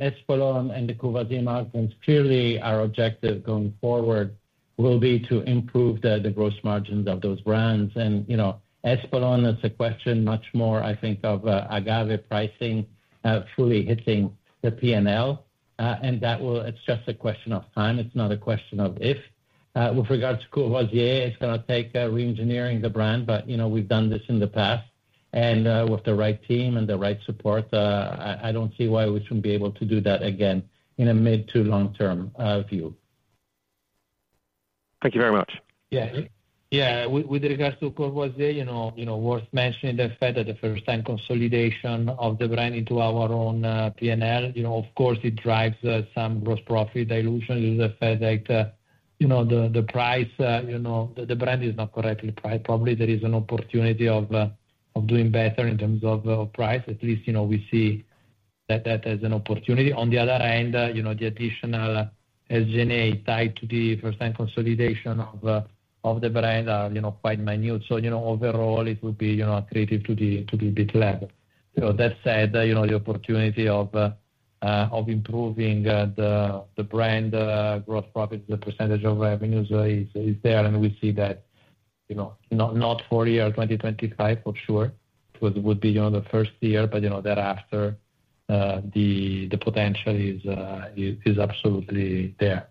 Espolòn and the Courvoisier margins, clearly, our objective going forward will be to improve the gross margins of those brands. And Espolòn, it's a question much more, I think, of agave pricing fully hitting the P&L. It's just a question of time. It's not a question of if. With regards to Courvoisier, it's going to take reengineering the brand. But we've done this in the past. And with the right team and the right support, I don't see why we shouldn't be able to do that again in a mid- to long-term view. Thank you very much. Yeah. Yeah. With regards to Courvoisier, worth mentioning the fact that the first-time consolidation of the brand into our own P&L, of course, it drives some gross profit dilution due to the fact that the price the brand is not correctly priced. Probably, there is an opportunity of doing better in terms of price. At least, we see that as an opportunity. On the other hand, the additional SG&A tied to the first-time consolidation of the brand are quite minute. So overall, it will be attractive to the EBIT level. So that said, the opportunity of improving the brand gross profit as a percentage of revenues is there. And we see that not for the year 2025, for sure. Because it would be the first year. But thereafter, the potential is absolutely there.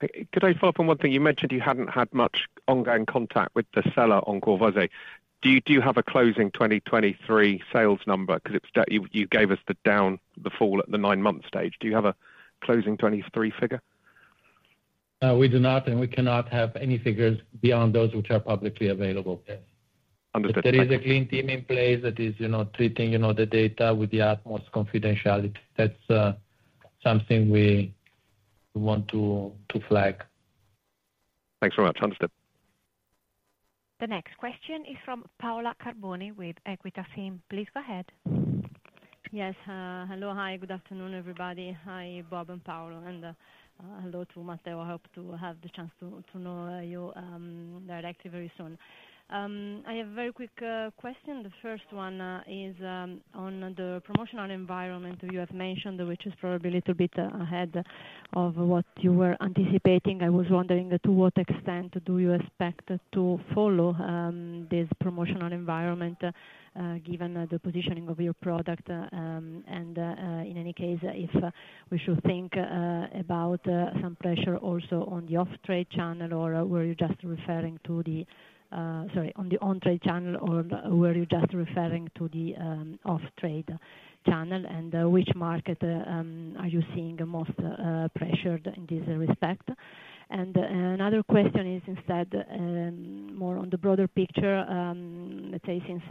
Could I follow up on one thing? You mentioned you hadn't had much ongoing contact with the seller on Courvoisier. Do you have a closing 2023 sales number? Because you gave us the full at the nine-month stage. Do you have a closing 2023 figure? We do not. And we cannot have any figures beyond those which are publicly available. Yes. Understood. But there is a clean team in place that is treating the data with the utmost confidentiality. That's something we want to flag. Thanks very much. Understood. The next question is from Paola Carboni with Equita SIM. Please go ahead. Yes. Hello. Hi. Good afternoon, everybody. Hi, Bob and Paolo. And hello to Matteo. I hope to have the chance to know your director very soon. I have a very quick question. The first one is on the promotional environment you have mentioned, which is probably a little bit ahead of what you were anticipating. I was wondering to what extent do you expect to follow this promotional environment given the positioning of your product? And in any case, if we should think about some pressure also on the off-trade channel or were you just referring to the sorry, on the on-trade channel or were you just referring to the off-trade channel? And which market are you seeing most pressured in this respect? And another question is instead more on the broader picture. Let's say, since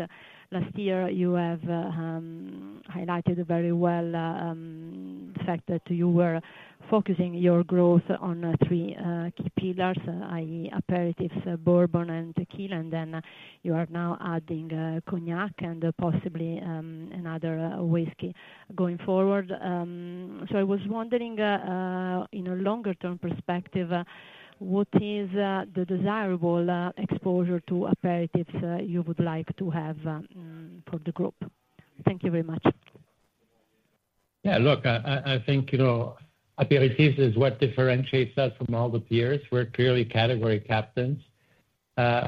last year, you have highlighted very well the fact that you were focusing your growth on three key pillars, i.e., aperitifs, bourbon, and tequila. And then you are now adding cognac and possibly another whisky going forward. So I was wondering, in a longer-term perspective, what is the desirable exposure to aperitifs you would like to have for the group? Thank you very much. Yeah. Look, I think aperitifs is what differentiates us from all the peers. We're clearly category captains.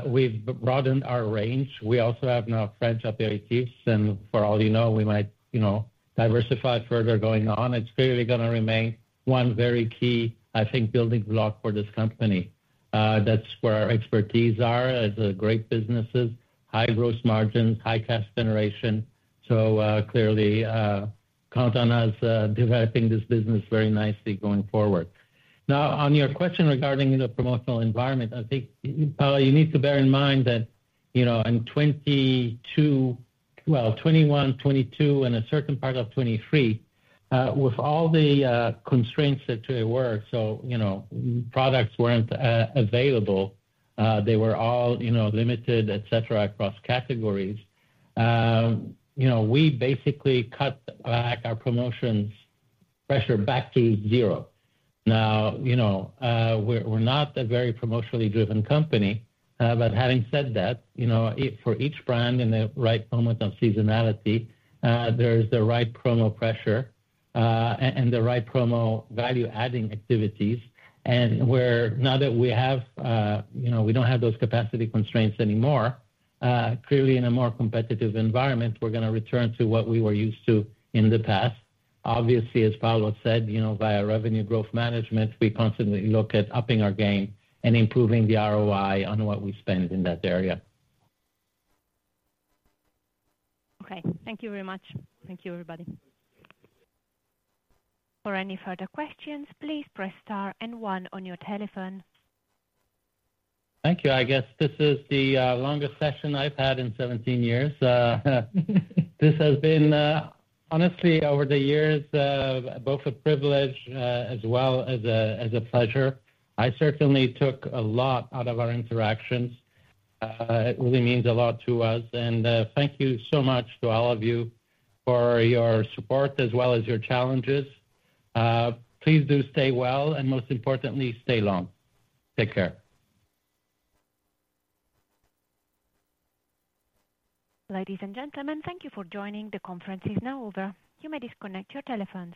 We've broadened our range. We also have now French aperitifs. And for all you know, we might diversify further going on. It's clearly going to remain one very key, I think, building block for this company. That's where our expertise are. It's a great business, high gross margins, high cash generation. So clearly, count on us developing this business very nicely going forward. Now, on your question regarding the promotional environment, I think, Paola, you need to bear in mind that in 2022—well, 2021, 2022, and a certain part of 2023, with all the constraints that today were so products weren't available. They were all limited, etc., across categories. We basically cut back our promotions pressure back to zero. Now, we're not a very promotionally driven company. But having said that, for each brand in the right moment of seasonality, there is the right promo pressure and the right promo value-adding activities. And now that we have we don't have those capacity constraints anymore. Clearly, in a more competitive environment, we're going to return to what we were used to in the past. Obviously, as Paolo said, via revenue growth management, we constantly look at upping our game and improving the ROI on what we spend in that area. Okay. Thank you very much. Thank you, everybody. For any further questions, please press star and one on your telephone. Thank you. I guess this is the longest session I've had in 17 years. This has been, honestly, over the years, both a privilege as well as a pleasure. I certainly took a lot out of our interactions. It really means a lot to us. And thank you so much to all of you for your support as well as your challenges. Please do stay well. And most importantly, stay long. Take care. Ladies and gentlemen, thank you for joining the conference. It's now over. You may disconnect your telephones.